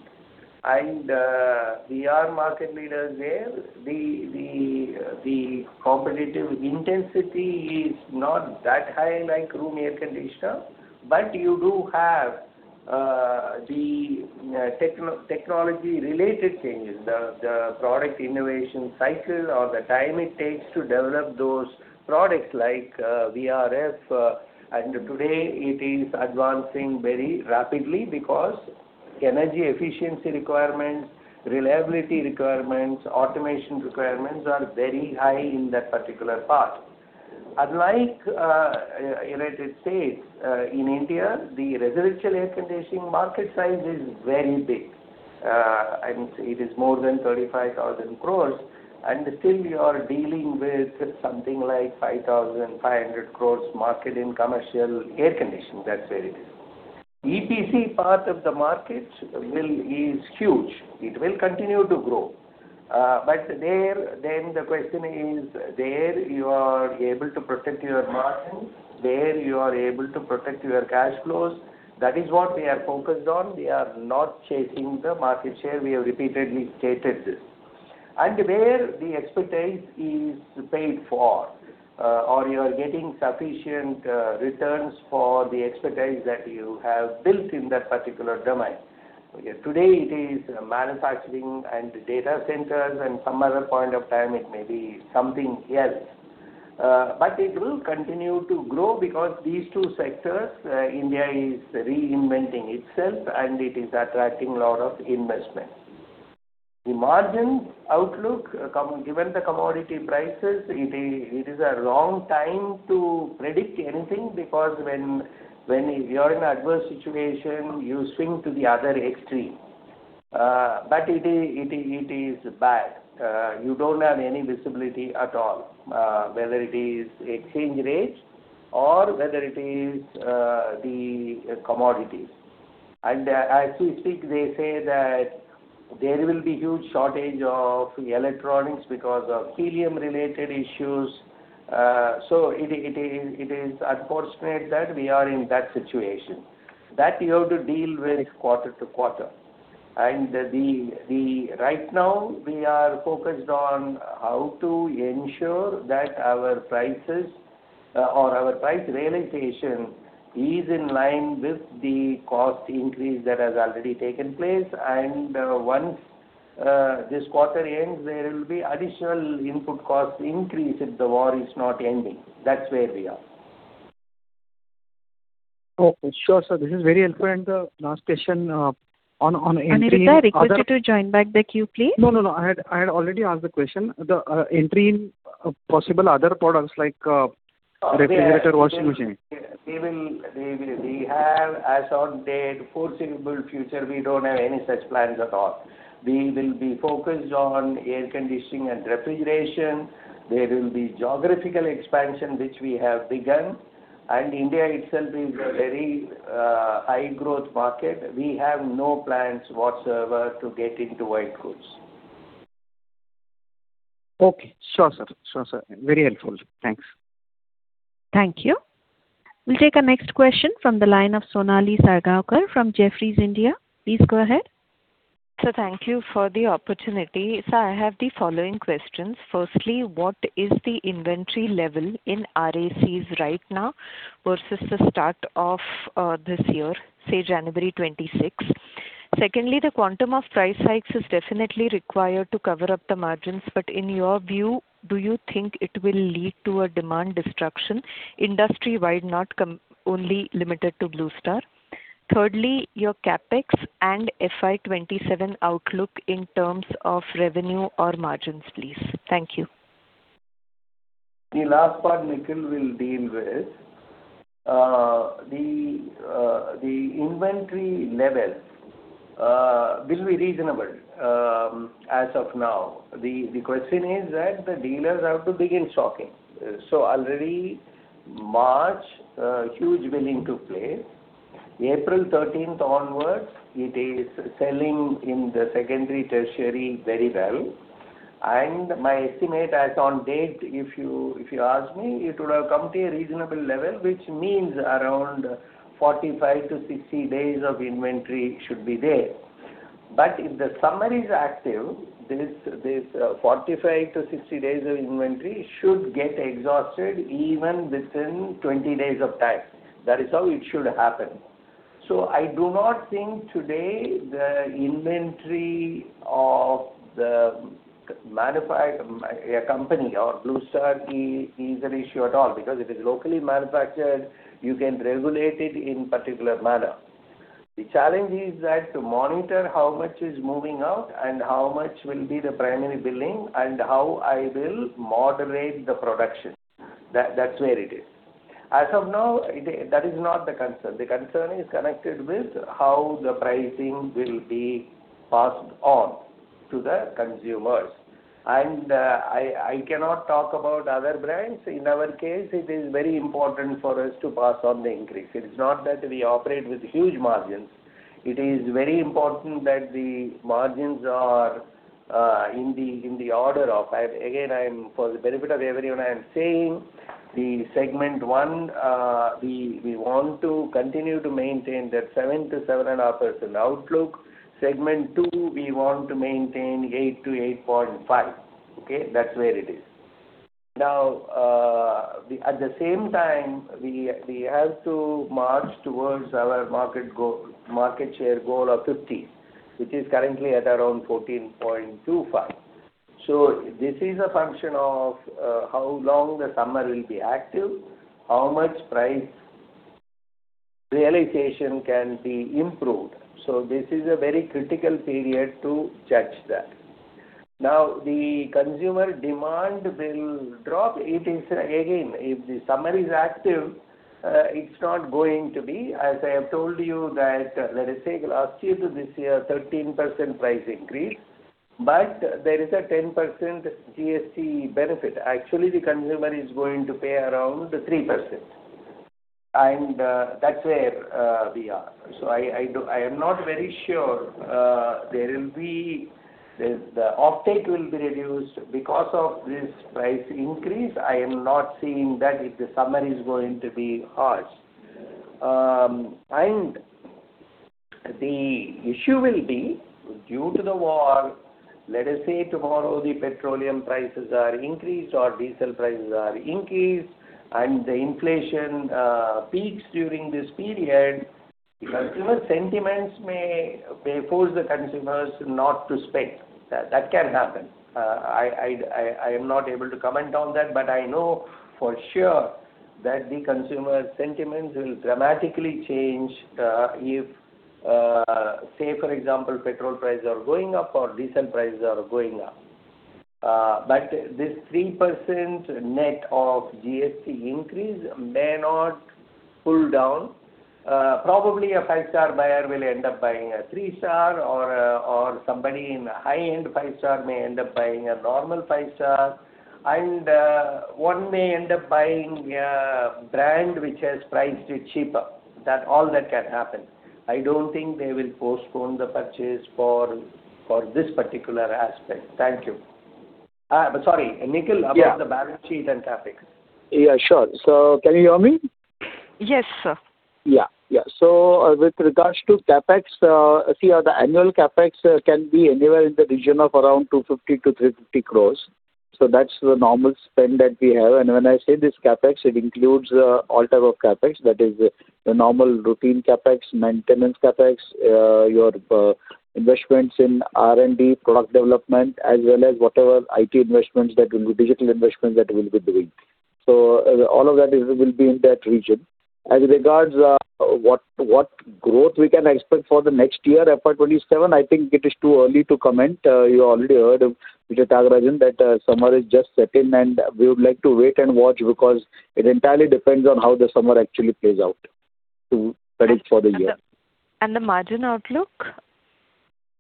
We are market leaders there. The competitive intensity is not that high like room air conditioner, but you do have the techno-technology related changes, the product innovation cycle or the time it takes to develop those products like VRF. Today it is advancing very rapidly because energy efficiency requirements, reliability requirements, automation requirements are very high in that particular part. Unlike United States, in India, the residential air conditioning market size is very big. I would say it is more than 35,000 crores, and still you are dealing with something like 5,500 crores market in commercial air conditioning. That's where it is. EPC part of the market is huge. It will continue to grow. There, then the question is, there you are able to protect your margins, there you are able to protect your cash flows. That is what we are focused on. We are not chasing the market share. We have repeatedly stated this. Where the expertise is paid for, or you are getting sufficient returns for the expertise that you have built in that particular domain. Today it is manufacturing and data centers, and some other point of time it may be something else. But it will continue to grow because these two sectors, India is reinventing itself and it is attracting a lot of investment. The margin outlook, given the commodity prices, it is a long time to predict anything because when you are in adverse situation, you swing to the other extreme. But it is bad. You don't have any visibility at all, whether it is exchange rate or whether it is the commodities. As we speak, they say that there will be huge shortage of electronics because of helium-related issues. It is unfortunate that we are in that situation. That we have to deal with quarter to quarter. Right now we are focused on how to ensure that our prices, or our price realization is in line with the cost increase that has already taken place. Once this quarter ends, there will be additional input cost increase if the war is not ending. That's where we are. Okay. Sure, sir. This is very helpful. Last question. Aniruddha, I request you to join back the queue, please. No, no, I had already asked the question. The entry in possible other products like refrigerator, washing machine. We will We have as on date foreseeable future, we don't have any such plans at all. We will be focused on air conditioning and refrigeration. There will be geographical expansion, which we have begun. India itself is a very high growth market. We have no plans whatsoever to get into white goods. Okay. Sure, sir. Sure, sir. Very helpful. Thanks. Thank you. We'll take our next question from the line of Sonali Salgaonkar from Jefferies India. Please go ahead. Sir, thank you for the opportunity. Sir, I have the following questions. Firstly, what is the inventory level in RACs right now versus the start of this year, say January 2026? Secondly, the quantum of price hikes is definitely required to cover up the margins. In your view, do you think it will lead to a demand destruction industry-wide, not only limited to Blue Star? Thirdly, your CapEx and FY 2027 outlook in terms of revenue or margins, please. Thank you. The last part Nikhil will deal with. The inventory level will be reasonable as of now. The question is that the dealers have to begin stocking. Already March, a huge billing took place. April 13th onwards, it is selling in the secondary, tertiary very well. My estimate as on date, if you ask me, it would have come to a reasonable level, which means around 45-60 days of inventory should be there. If the summer is active, this 45-60 days of inventory should get exhausted even within 20 days of time. That is how it should happen. I do not think today the inventory of the company or Blue Star is an issue at all because it is locally manufactured. You can regulate it in particular manner. The challenge is that to monitor how much is moving out and how much will be the primary billing and how I will moderate the production. That's where it is. As of now, that is not the concern. The concern is connected with how the pricing will be passed on to the consumers. I cannot talk about other brands. In our case, it is very important for us to pass on the increase. It is not that we operate with huge margins. It is very important that the margins are in the order of. Again, I'm, for the benefit of everyone, I am saying the segment 1, we want to continue to maintain that 7% to 7.5% outlook. Segment 2, we want to maintain 8% to 8.5%. Okay? That's where it is. At the same time, we have to march towards our market share goal of 50, which is currently at around 14.25. This is a function of how long the summer will be active, how much price realization can be improved. This is a very critical period to judge that. The consumer demand will drop. It is, again, if the summer is active, it's not going to be. As I have told you that there is, say, last year to this year, 13% price increase, but there is a 10% GST benefit. Actually, the consumer is going to pay around 3%. That's where we are. I am not very sure there will be The uptake will be reduced because of this price increase. I am not seeing that if the summer is going to be harsh. The issue will be. Due to the war, let us say tomorrow the petroleum prices are increased or diesel prices are increased and the inflation peaks during this period, consumer sentiments may force the consumers not to spec. That can happen. I am not able to comment on that, but I know for sure that the consumer sentiments will dramatically change if, say for example, petrol prices are going up or diesel prices are going up. This 3% net of GST increase may not pull down. Probably a 5-star buyer will end up buying a 3-star or somebody in high-end 5-star may end up buying a normal 5-star and one may end up buying a brand which has priced it cheaper. That all that can happen. I don't think they will postpone the purchase for this particular aspect. Thank you. Sorry, Nikhil. Yeah. About the balance sheet and CapEx. Yeah, sure. Can you hear me? Yes, sir. Yeah, yeah. With regards to CapEx, see the annual CapEx can be anywhere in the region of around 250- 350 crores. That's the normal spend that we have. When I say this CapEx, it includes all type of CapEx, that is the normal routine CapEx, maintenance CapEx, your investments in R&D, product development, as well as whatever IT investments that will be, digital investments that we'll be doing. All of that is, will be in that region. As regards what growth we can expect for the next year, FY 2027, I think it is too early to comment. You already heard Mr. Thiagarajan that summer is just set in, and we would like to wait and watch because it entirely depends on how the summer actually plays out to predict for the year. The margin outlook?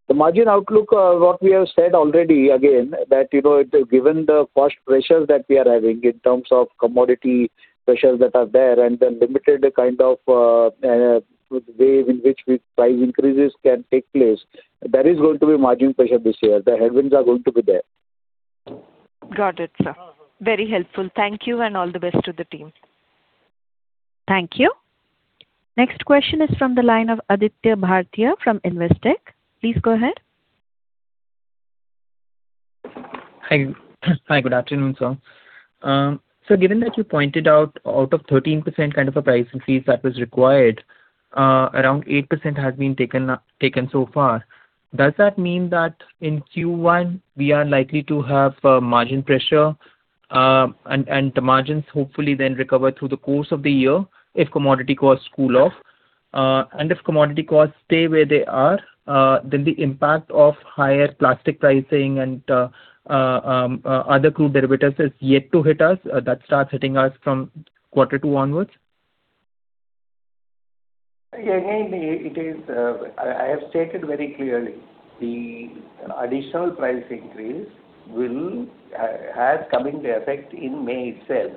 The margin outlook, what we have said already, again, that, you know, given the cost pressures that we are having in terms of commodity pressures that are there and the limited kind of way in which we price increases can take place, there is going to be margin pressure this year. The headwinds are going to be there. Got it, sir. Very helpful. Thank you. All the best to the team. Thank you. Next question is from the line of Aditya Bhartia from Investec. Please go ahead. Hi. Hi, good afternoon, sir. Given that you pointed out of 13% kind of a price increase that was required, around 8% has been taken so far. Does that mean that in Q1 we are likely to have margin pressure, and the margins hopefully then recover through the course of the year if commodity costs cool off? If commodity costs stay where they are, then the impact of higher plastic pricing and other crude derivatives is yet to hit us, that starts hitting us from Q2 onwards? It is, I have stated very clearly the additional price increase has come into effect in May itself.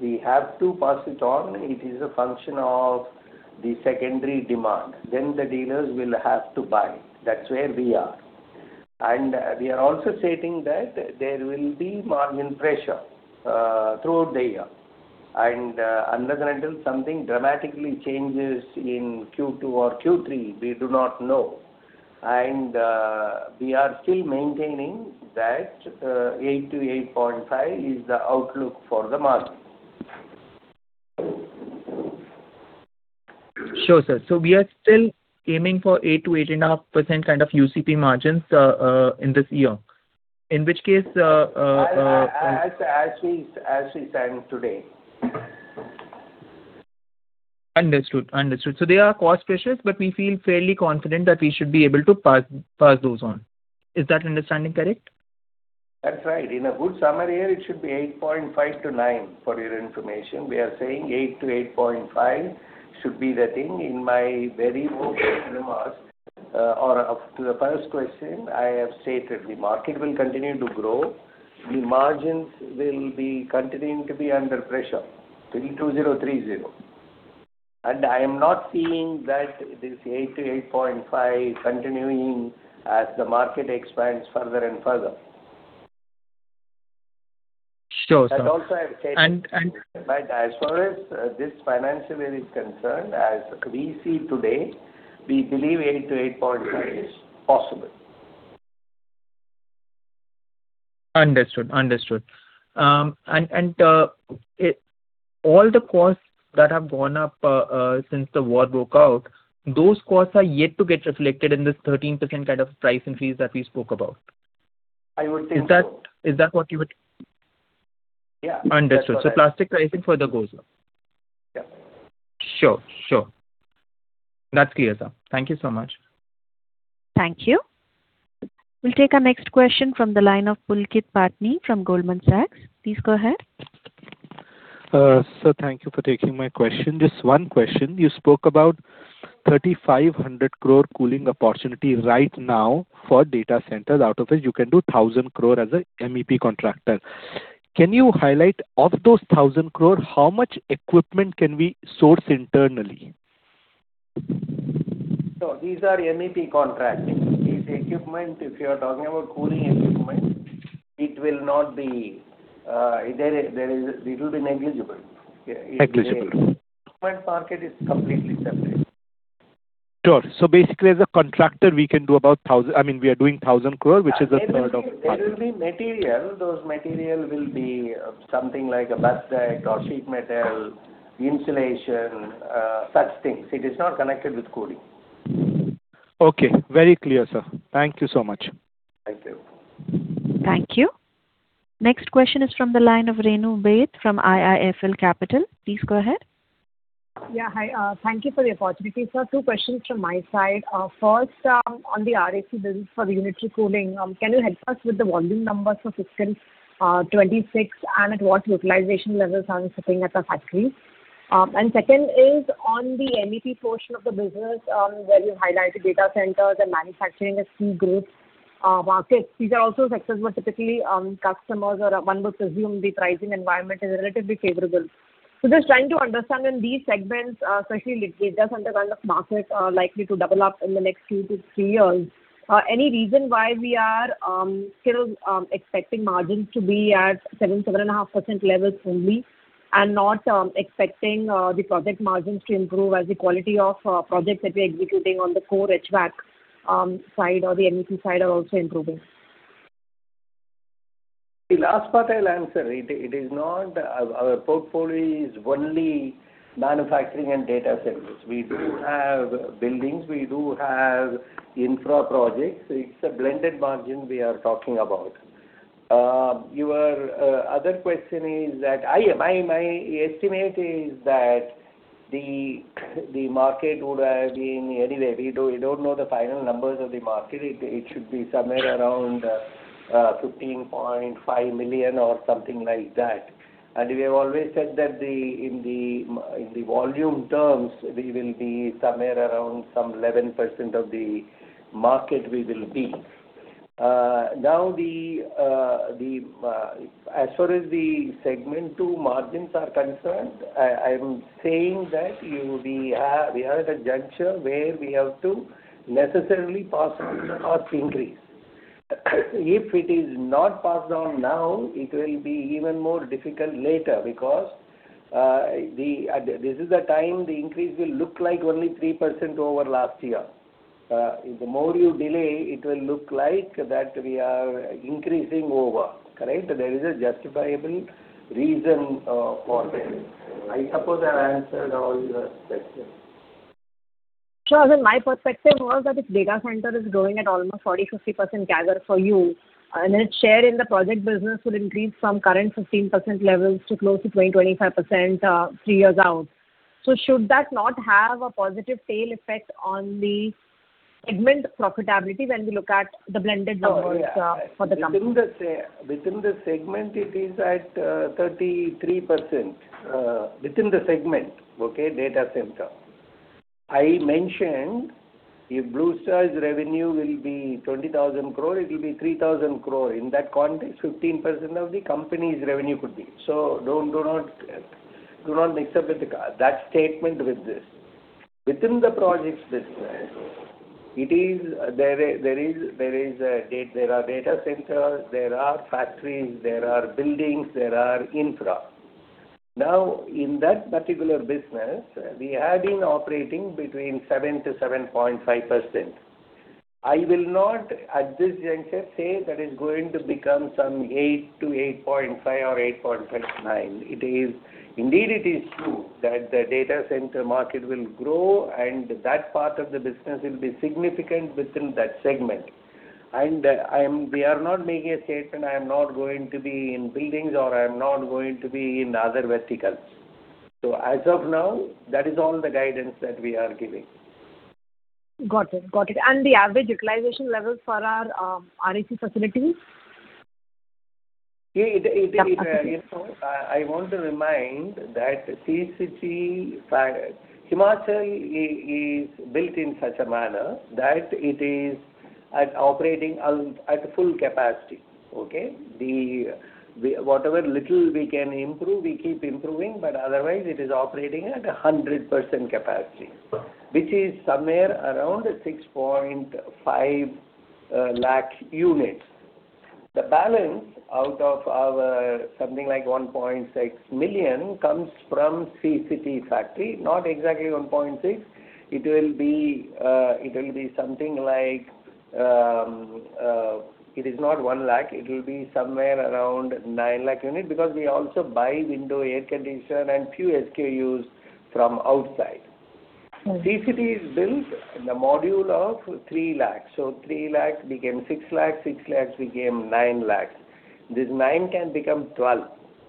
We have to pass it on. It is a function of the secondary demand, the dealers will have to buy. That's where we are. We are also stating that there will be margin pressure throughout the year. Unless and until something dramatically changes in Q2 or Q3, we do not know. We are still maintaining that 8%-8.5% is the outlook for the market. Sure, sir. We are still aiming for 8%-8.5% kind of UCP margins in this year. As we stand today. Understood. Understood. There are cost pressures, but we feel fairly confident that we should be able to pass those on. Is that understanding correct? That's right. In a good summer year, it should be 8.5%-9%, for your information. We are saying 8%-8.5% should be the thing. In my very opening remarks, or up to the first question, I have stated the market will continue to grow. The margins will be continuing to be under pressure till 2030. I am not seeing that this 8%-8.5% continuing as the market expands further and further. Sure, sir. That also I've said. And, and- As far as this financial year is concerned, as we see today, we believe 8%-8.5% is possible. Understood. Understood. All the costs that have gone up since the war broke out, those costs are yet to get reflected in this 13% kind of price increase that we spoke about. I would say so. Is that what you would? Yeah. Understood. That's what I- Plastic pricing further goes up. Yeah. Sure. Sure. That's clear, sir. Thank you so much. Thank you. We'll take our next question from the line of Pulkit Patni from Goldman Sachs. Please go ahead. Sir, thank you for taking my question. Just one question. You spoke about 3,500 crore cooling opportunity right now for data centers. Out of it, you can do 1,000 crore as a MEP contractor. Can you highlight of those 1,000 crore, how much equipment can we source internally? These are MEP contracts. These equipment, if you're talking about cooling equipment, it will be negligible. Yeah. Negligible. Government market is completely separate. Sure. Basically as a contractor we can do about 1,000, I mean, we are doing 1,000 crore, which is a third of. There will be material. Those material will be something like a bus duct or sheet metal, insulation, such things. It is not connected with cooling. Okay. Very clear, sir. Thank you so much. Thank you. Thank you. Next question is from the line of Renu Baid from IIFL Capital. Please go ahead. Hi, thank you for the opportunity, sir. Two questions from my side. First, on the RAC business for the unitary cooling, can you help us with the volume numbers for fiscal 2026, and at what utilization levels are you sitting at the factory? Second is on the MEP portion of the business, where you highlighted data centers and manufacturing as key groups, markets. These are also sectors where typically, customers or one would presume the pricing environment is relatively favorable. Just trying to understand in these segments, especially with data center kind of markets are likely to double up in the next 2-3 years. Any reason why we are still expecting margins to be at 7.5% levels only and not expecting the project margins to improve as the quality of projects that we're executing on the core HVAC side or the MEP side are also improving? The last part I'll answer. It is not our portfolio is only manufacturing and data centers. We do have buildings, we do have infra projects. It's a blended margin we are talking about. Your other question is that my estimate is that the market would have been, anyway, we don't know the final numbers of the market. It should be somewhere around 15.5 million or something like that. We have always said that in the volume terms, we will be somewhere around some 11% of the market we will be. Now the as far as the segment 2 margins are concerned, I'm saying that we are at a juncture where we have to necessarily pass on the cost increase. If it is not passed on now, it will be even more difficult later because this is the time the increase will look like only 3% over last year. The more you delay, it will look like that we are increasing over. Correct? There is a justifiable reason for this. I suppose I've answered all your questions. Sure. My perspective was that if data center is growing at almost 40%-50% CAGR for you, and its share in the project business will increase from current 15% levels to close to 20%-25%, three years out. Should that not have a positive tail effect on the segment profitability when we look at the blended numbers for the company? Yeah. Within the segment, it is at 33%. Within the segment, okay, data center. I mentioned if Blue Star's revenue will be 20,000 crore, it will be 3,000 crore. In that context, 15% of the company's revenue could be. Don't, do not mix up with that statement with this. Within the projects business, it is, there is, there are data centers, there are factories, there are buildings, there are infra. In that particular business, we have been operating between 7%-7.5%. I will not at this juncture say that it's going to become some 8%-8.5% or 8.9%. It is, indeed it is true that the data center market will grow and that part of the business will be significant within that segment. We are not making a statement, "I am not going to be in buildings," or, "I am not going to be in other verticals." As of now, that is all the guidance that we are giving. Got it. Got it. The average utilization levels for our RAC facilities? It, you know, I want to remind that Sri City Himachal is built in such a manner that it is operating at full capacity. Okay? The whatever little we can improve, we keep improving, but otherwise it is operating at 100% capacity, which is somewhere around 6.5 lakh units. The balance out of our something like 1.6 million comes from Sri City factory, not exactly 1.6. It will be something like it is not 1 lakh, it will be somewhere around 9 lakh units because we also buy window air conditioner and few SKUs from outside. Sri City is built in a module of 3 lakh. 3 lakh became 6 lakh. 6 lakh became 9 lakh. This 9 lakh can become 12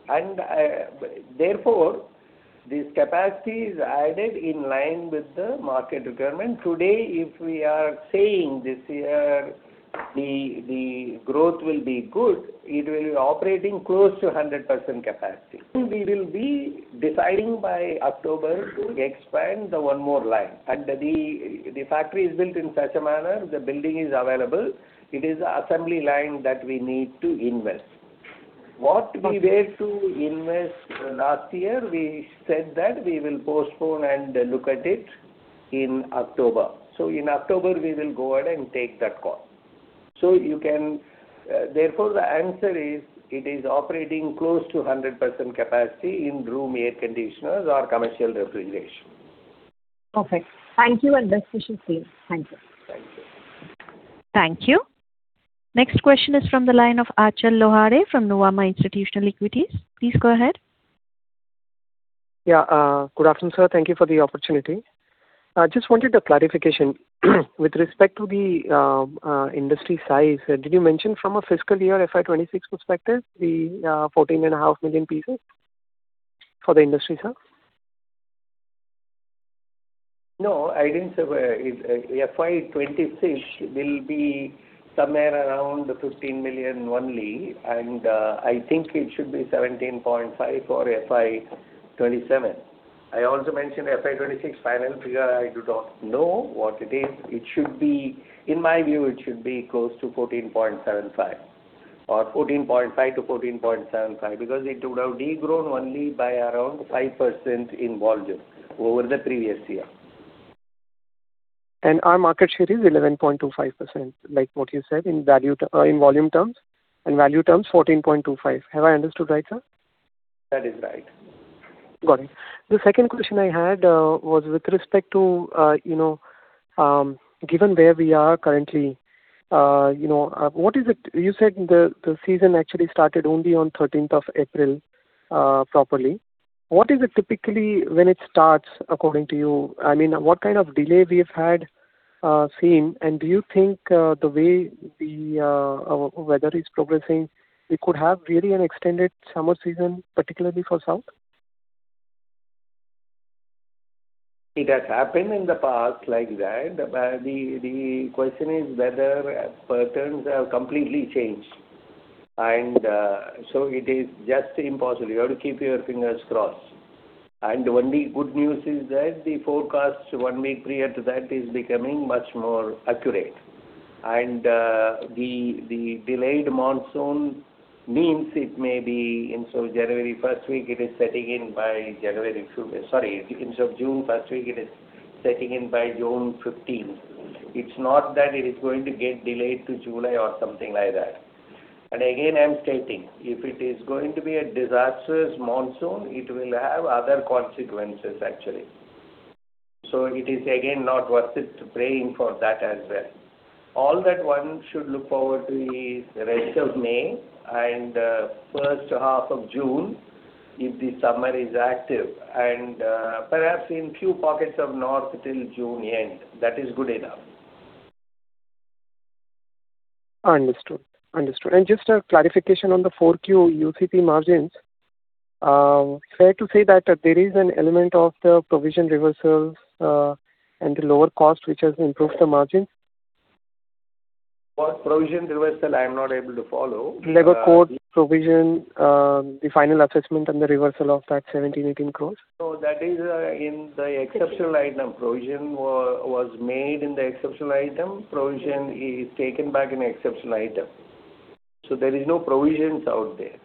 lakh. Therefore this capacity is added in line with the market requirement. Today, if we are saying this year the growth will be good, it will be operating close to 100% capacity. We will be deciding by October to expand the one more line. The factory is built in such a manner, the building is available. It is a assembly line that we need to invest. What we were to invest last year, we said that we will postpone and look at it in October. In October we will go ahead and take that call. You can, therefore, the answer is it is operating close to 100% capacity in room air conditioners or commercial refrigeration. Perfect. Thank you, and best wishes to you. Thank you. Thank you. Thank you. Next question is from the line of Achal Lohade from Nuvama Institutional Equities. Please go ahead. Yeah. Good afternoon, sir. Thank you for the opportunity. I just wanted a clarification. With respect to the industry size, did you mention from a fiscal year FY 2026 perspective, the 14.5 million pieces for the industry, sir? No, I didn't say where. FY 2026 will be somewhere around 15 million only. I think it should be 17.5 for FY 2027. I also mentioned FY 2026 final figure, I do not know what it is. In my view, it should be close to 14.75 or 14.5-14.75, because it would have de-grown only by around 5% in volume over the previous year. Our market share is 11.25%, like what you said, in volume terms. In value terms, 14.25%. Have I understood right, sir? That is right. Got it. The second question I had was with respect to, you know, given where we are currently, you know, you said the season actually started only on 13th of April properly. What is it typically when it starts, according to you? I mean, what kind of delay we have had seen, and do you think the way the our weather is progressing, we could have really an extended summer season, particularly for South? It has happened in the past like that. The question is whether patterns have completely changed. It is just impossible. You have to keep your fingers crossed. Only good news is that the forecasts one week prior to that is becoming much more accurate. The delayed monsoon means it may be instead of June first week, it is setting in by June 15th. It's not that it is going to get delayed to July or something like that. Again, I'm stating, if it is going to be a disastrous monsoon, it will have other consequences, actually. It is again not worth it praying for that as well. All that one should look forward to is rest of May and, first half of June, if the summer is active, and, perhaps in few pockets of North till June end. That is good enough. Understood. Understood. Just a clarification on the 4 Q UCP margins. Fair to say that there is an element of the provision reversal and the lower cost which has improved the margins? What provision reversal? I'm not able to follow. Labor court provision, the final assessment and the reversal of that 17-18 crores. No, that is in the exceptional item. Provision was made in the exceptional item. Provision is taken back in exceptional item. There is no provisions out there.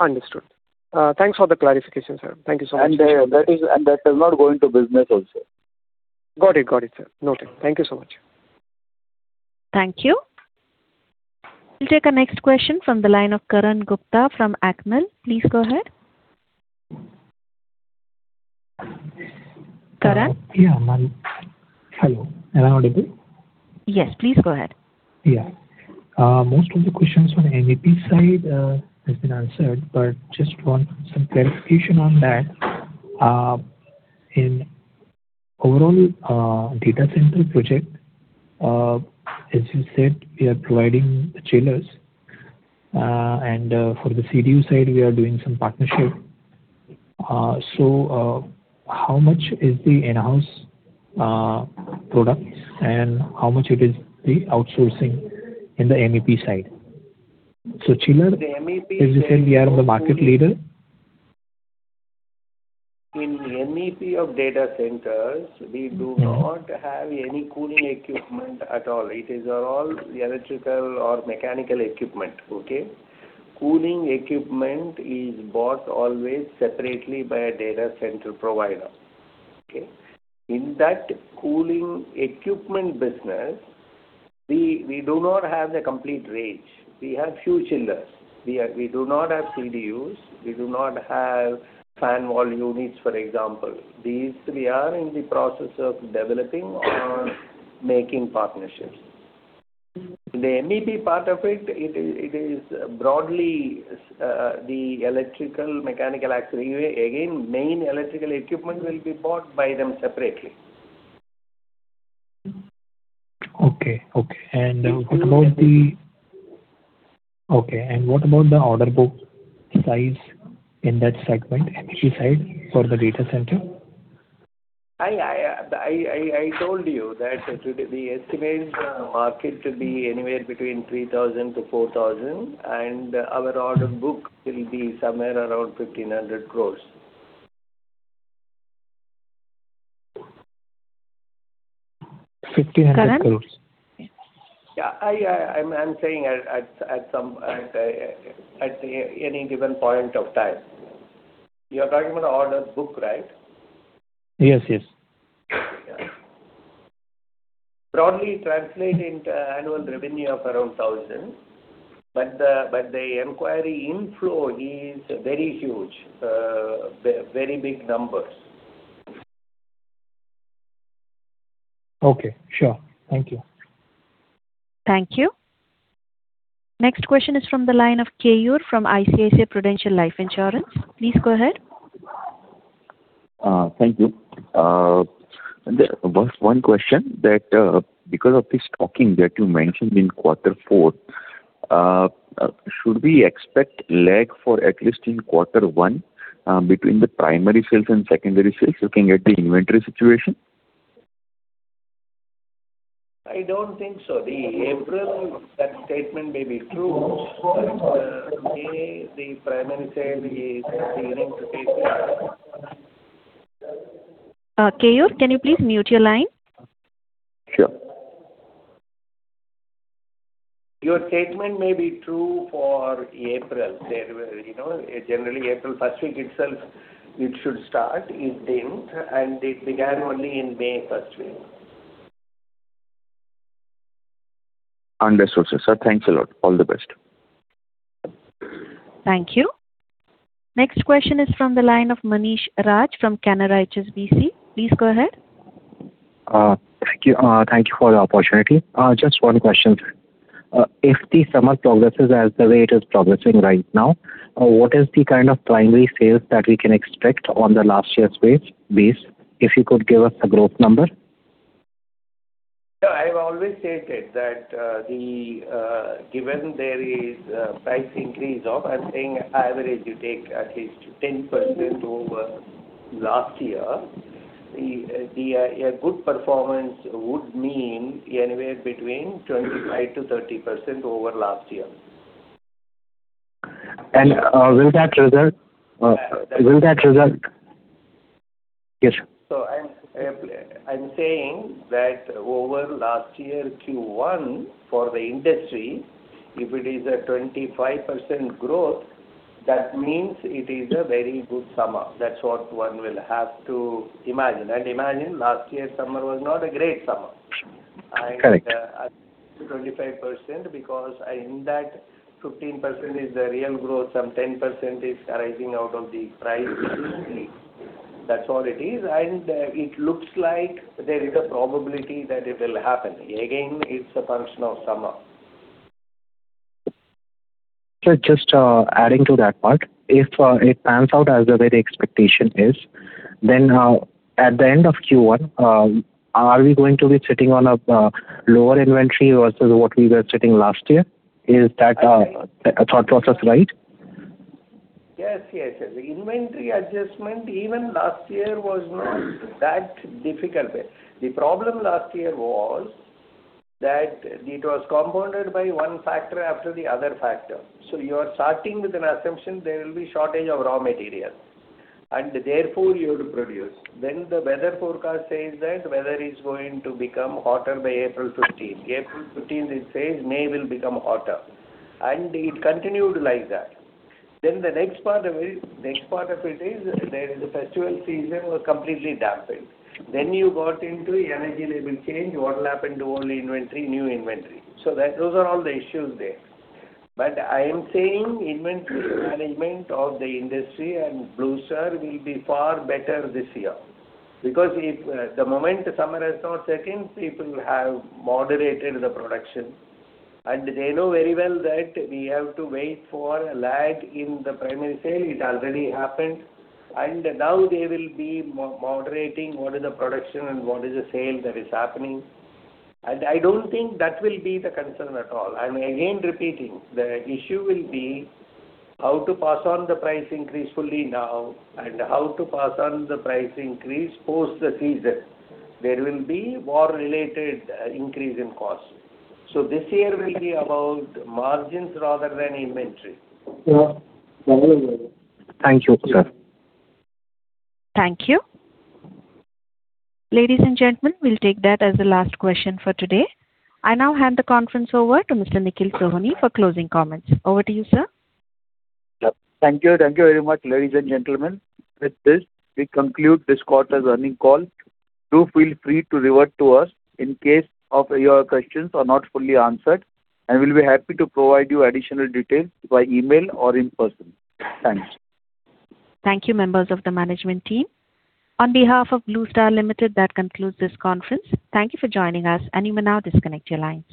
Understood. Thanks for the clarification, sir. Thank you so much. That does not go into business also. Got it. Got it, sir. Noted. Thank you so much. Thank you. We'll take our next question from the line of Karan Gupta from Alchemy. Please go ahead. Karan? Yeah. Hello. Am I audible? Yes. Please go ahead. Most of the questions on MEP side has been answered, but just want some clarification on that. In overall data center project, as you said, we are providing the chillers, and for the CDU side we are doing some partnership. How much is the in-house product and how much it is the outsourcing in the MEP side? The MEP side. -is the same we are the market leader? In MEP of data centers, we do not have any cooling equipment at all. It is all electrical or mechanical equipment. Okay? Cooling equipment is bought always separately by a data center provider. Okay? In that cooling equipment business, we do not have the complete range. We have few chillers. We do not have CDUs, we do not have fan wall units, for example. These we are in the process of developing or making partnerships. The MEP part of it is broadly the electrical mechanical auxiliary. Again, main electrical equipment will be bought by them separately. Okay. What about the order book size in that segment, MEP side, for the data center? I told you that to the estimated market to be anywhere between 3,000-4,000, and our order book will be somewhere around 1,500 crores. INR 5,000 crores. Karan? Yeah, I'm saying at any given point of time. You are talking about the order book, right? Yes, yes. Okay. Yeah. Broadly translate into annual revenue of around 1,000. The inquiry inflow is very huge. Very big numbers. Okay. Sure. Thank you. Thank you. Next question is from the line of Keyur from ICICI Prudential Life Insurance. Please go ahead. Thank you. There was one question that because of the stocking that you mentioned in quarter four, should we expect lag for at least in quarter one, between the primary sales and secondary sales, looking at the inventory situation? I don't think so. The April, that statement may be true. May, the primary sale is beginning to take place. Keyur, can you please mute your line? Sure. Your statement may be true for April. There were, you know, generally April first week itself it should start. It didn't, and it began only in May first week. Understood, sir. Sir, thanks a lot. All the best. Thank you. Next question is from the line of Manish Raj from Canara HSBC. Please go ahead. Thank you. Thank you for the opportunity. Just one question, sir. If the summer progresses as the way it is progressing right now, what is the kind of primary sales that we can expect on the last year's base? If you could give us a growth number. No, I've always stated that, the, given there is a price increase of, I'm saying average you take at least 10% over last year, the, a good performance would mean anywhere between 25%-30% over last year. Will that result? Yes. I'm saying that over last year Q1 for the industry, if it is a 25% growth, that means it is a very good summer. That's what one will have to imagine. Imagine last year's summer was not a great summer. Correct. Up to 25% because in that 15% is the real growth, some 10% is arising out of the price increase. That's all it is. It looks like there is a probability that it will happen. Again, it's a function of summer. Sir, just adding to that part. If it pans out as the way the expectation is, then, at the end of Q1, are we going to be sitting on a lower inventory versus what we were sitting last year? Is that thought process right? Yes, yes. Inventory adjustment even last year was not that difficult. The problem last year was that it was compounded by 1 factor after the other factor. You are starting with an assumption there will be shortage of raw material, and therefore you have to produce. The weather forecast says that weather is going to become hotter by April 15th. April 15th it says May will become hotter. It continued like that. The next part of it is there is a festival season was completely dampened. You got into energy label change. What will happen to old inventory, new inventory? That, those are all the issues there. I am saying inventory management of the industry and Blue Star will be far better this year. If the moment summer has not set in, people have moderated the production. They know very well that we have to wait for a lag in the primary sale. It already happened. Now they will be moderating what is the production and what is the sale that is happening. I don't think that will be the concern at all. I'm again repeating, the issue will be how to pass on the price increase fully now and how to pass on the price increase post the season. There will be war-related increase in costs. This year will be about margins rather than inventory. Yeah. That will be all. Thank you, sir. Thank you. Ladies and gentlemen, we'll take that as the last question for today. I now hand the conference over to Mr. Nikhil Sohoni for closing comments. Over to you, sir. Yeah. Thank you. Thank you very much, ladies and gentlemen. With this, we conclude this quarter's earnings call. Do feel free to revert to us in case of your questions are not fully answered. We'll be happy to provide you additional details by email or in person. Thanks. Thank you, members of the management team. On behalf of Blue Star Limited, that concludes this conference. Thank you for joining us, and you may now disconnect your lines.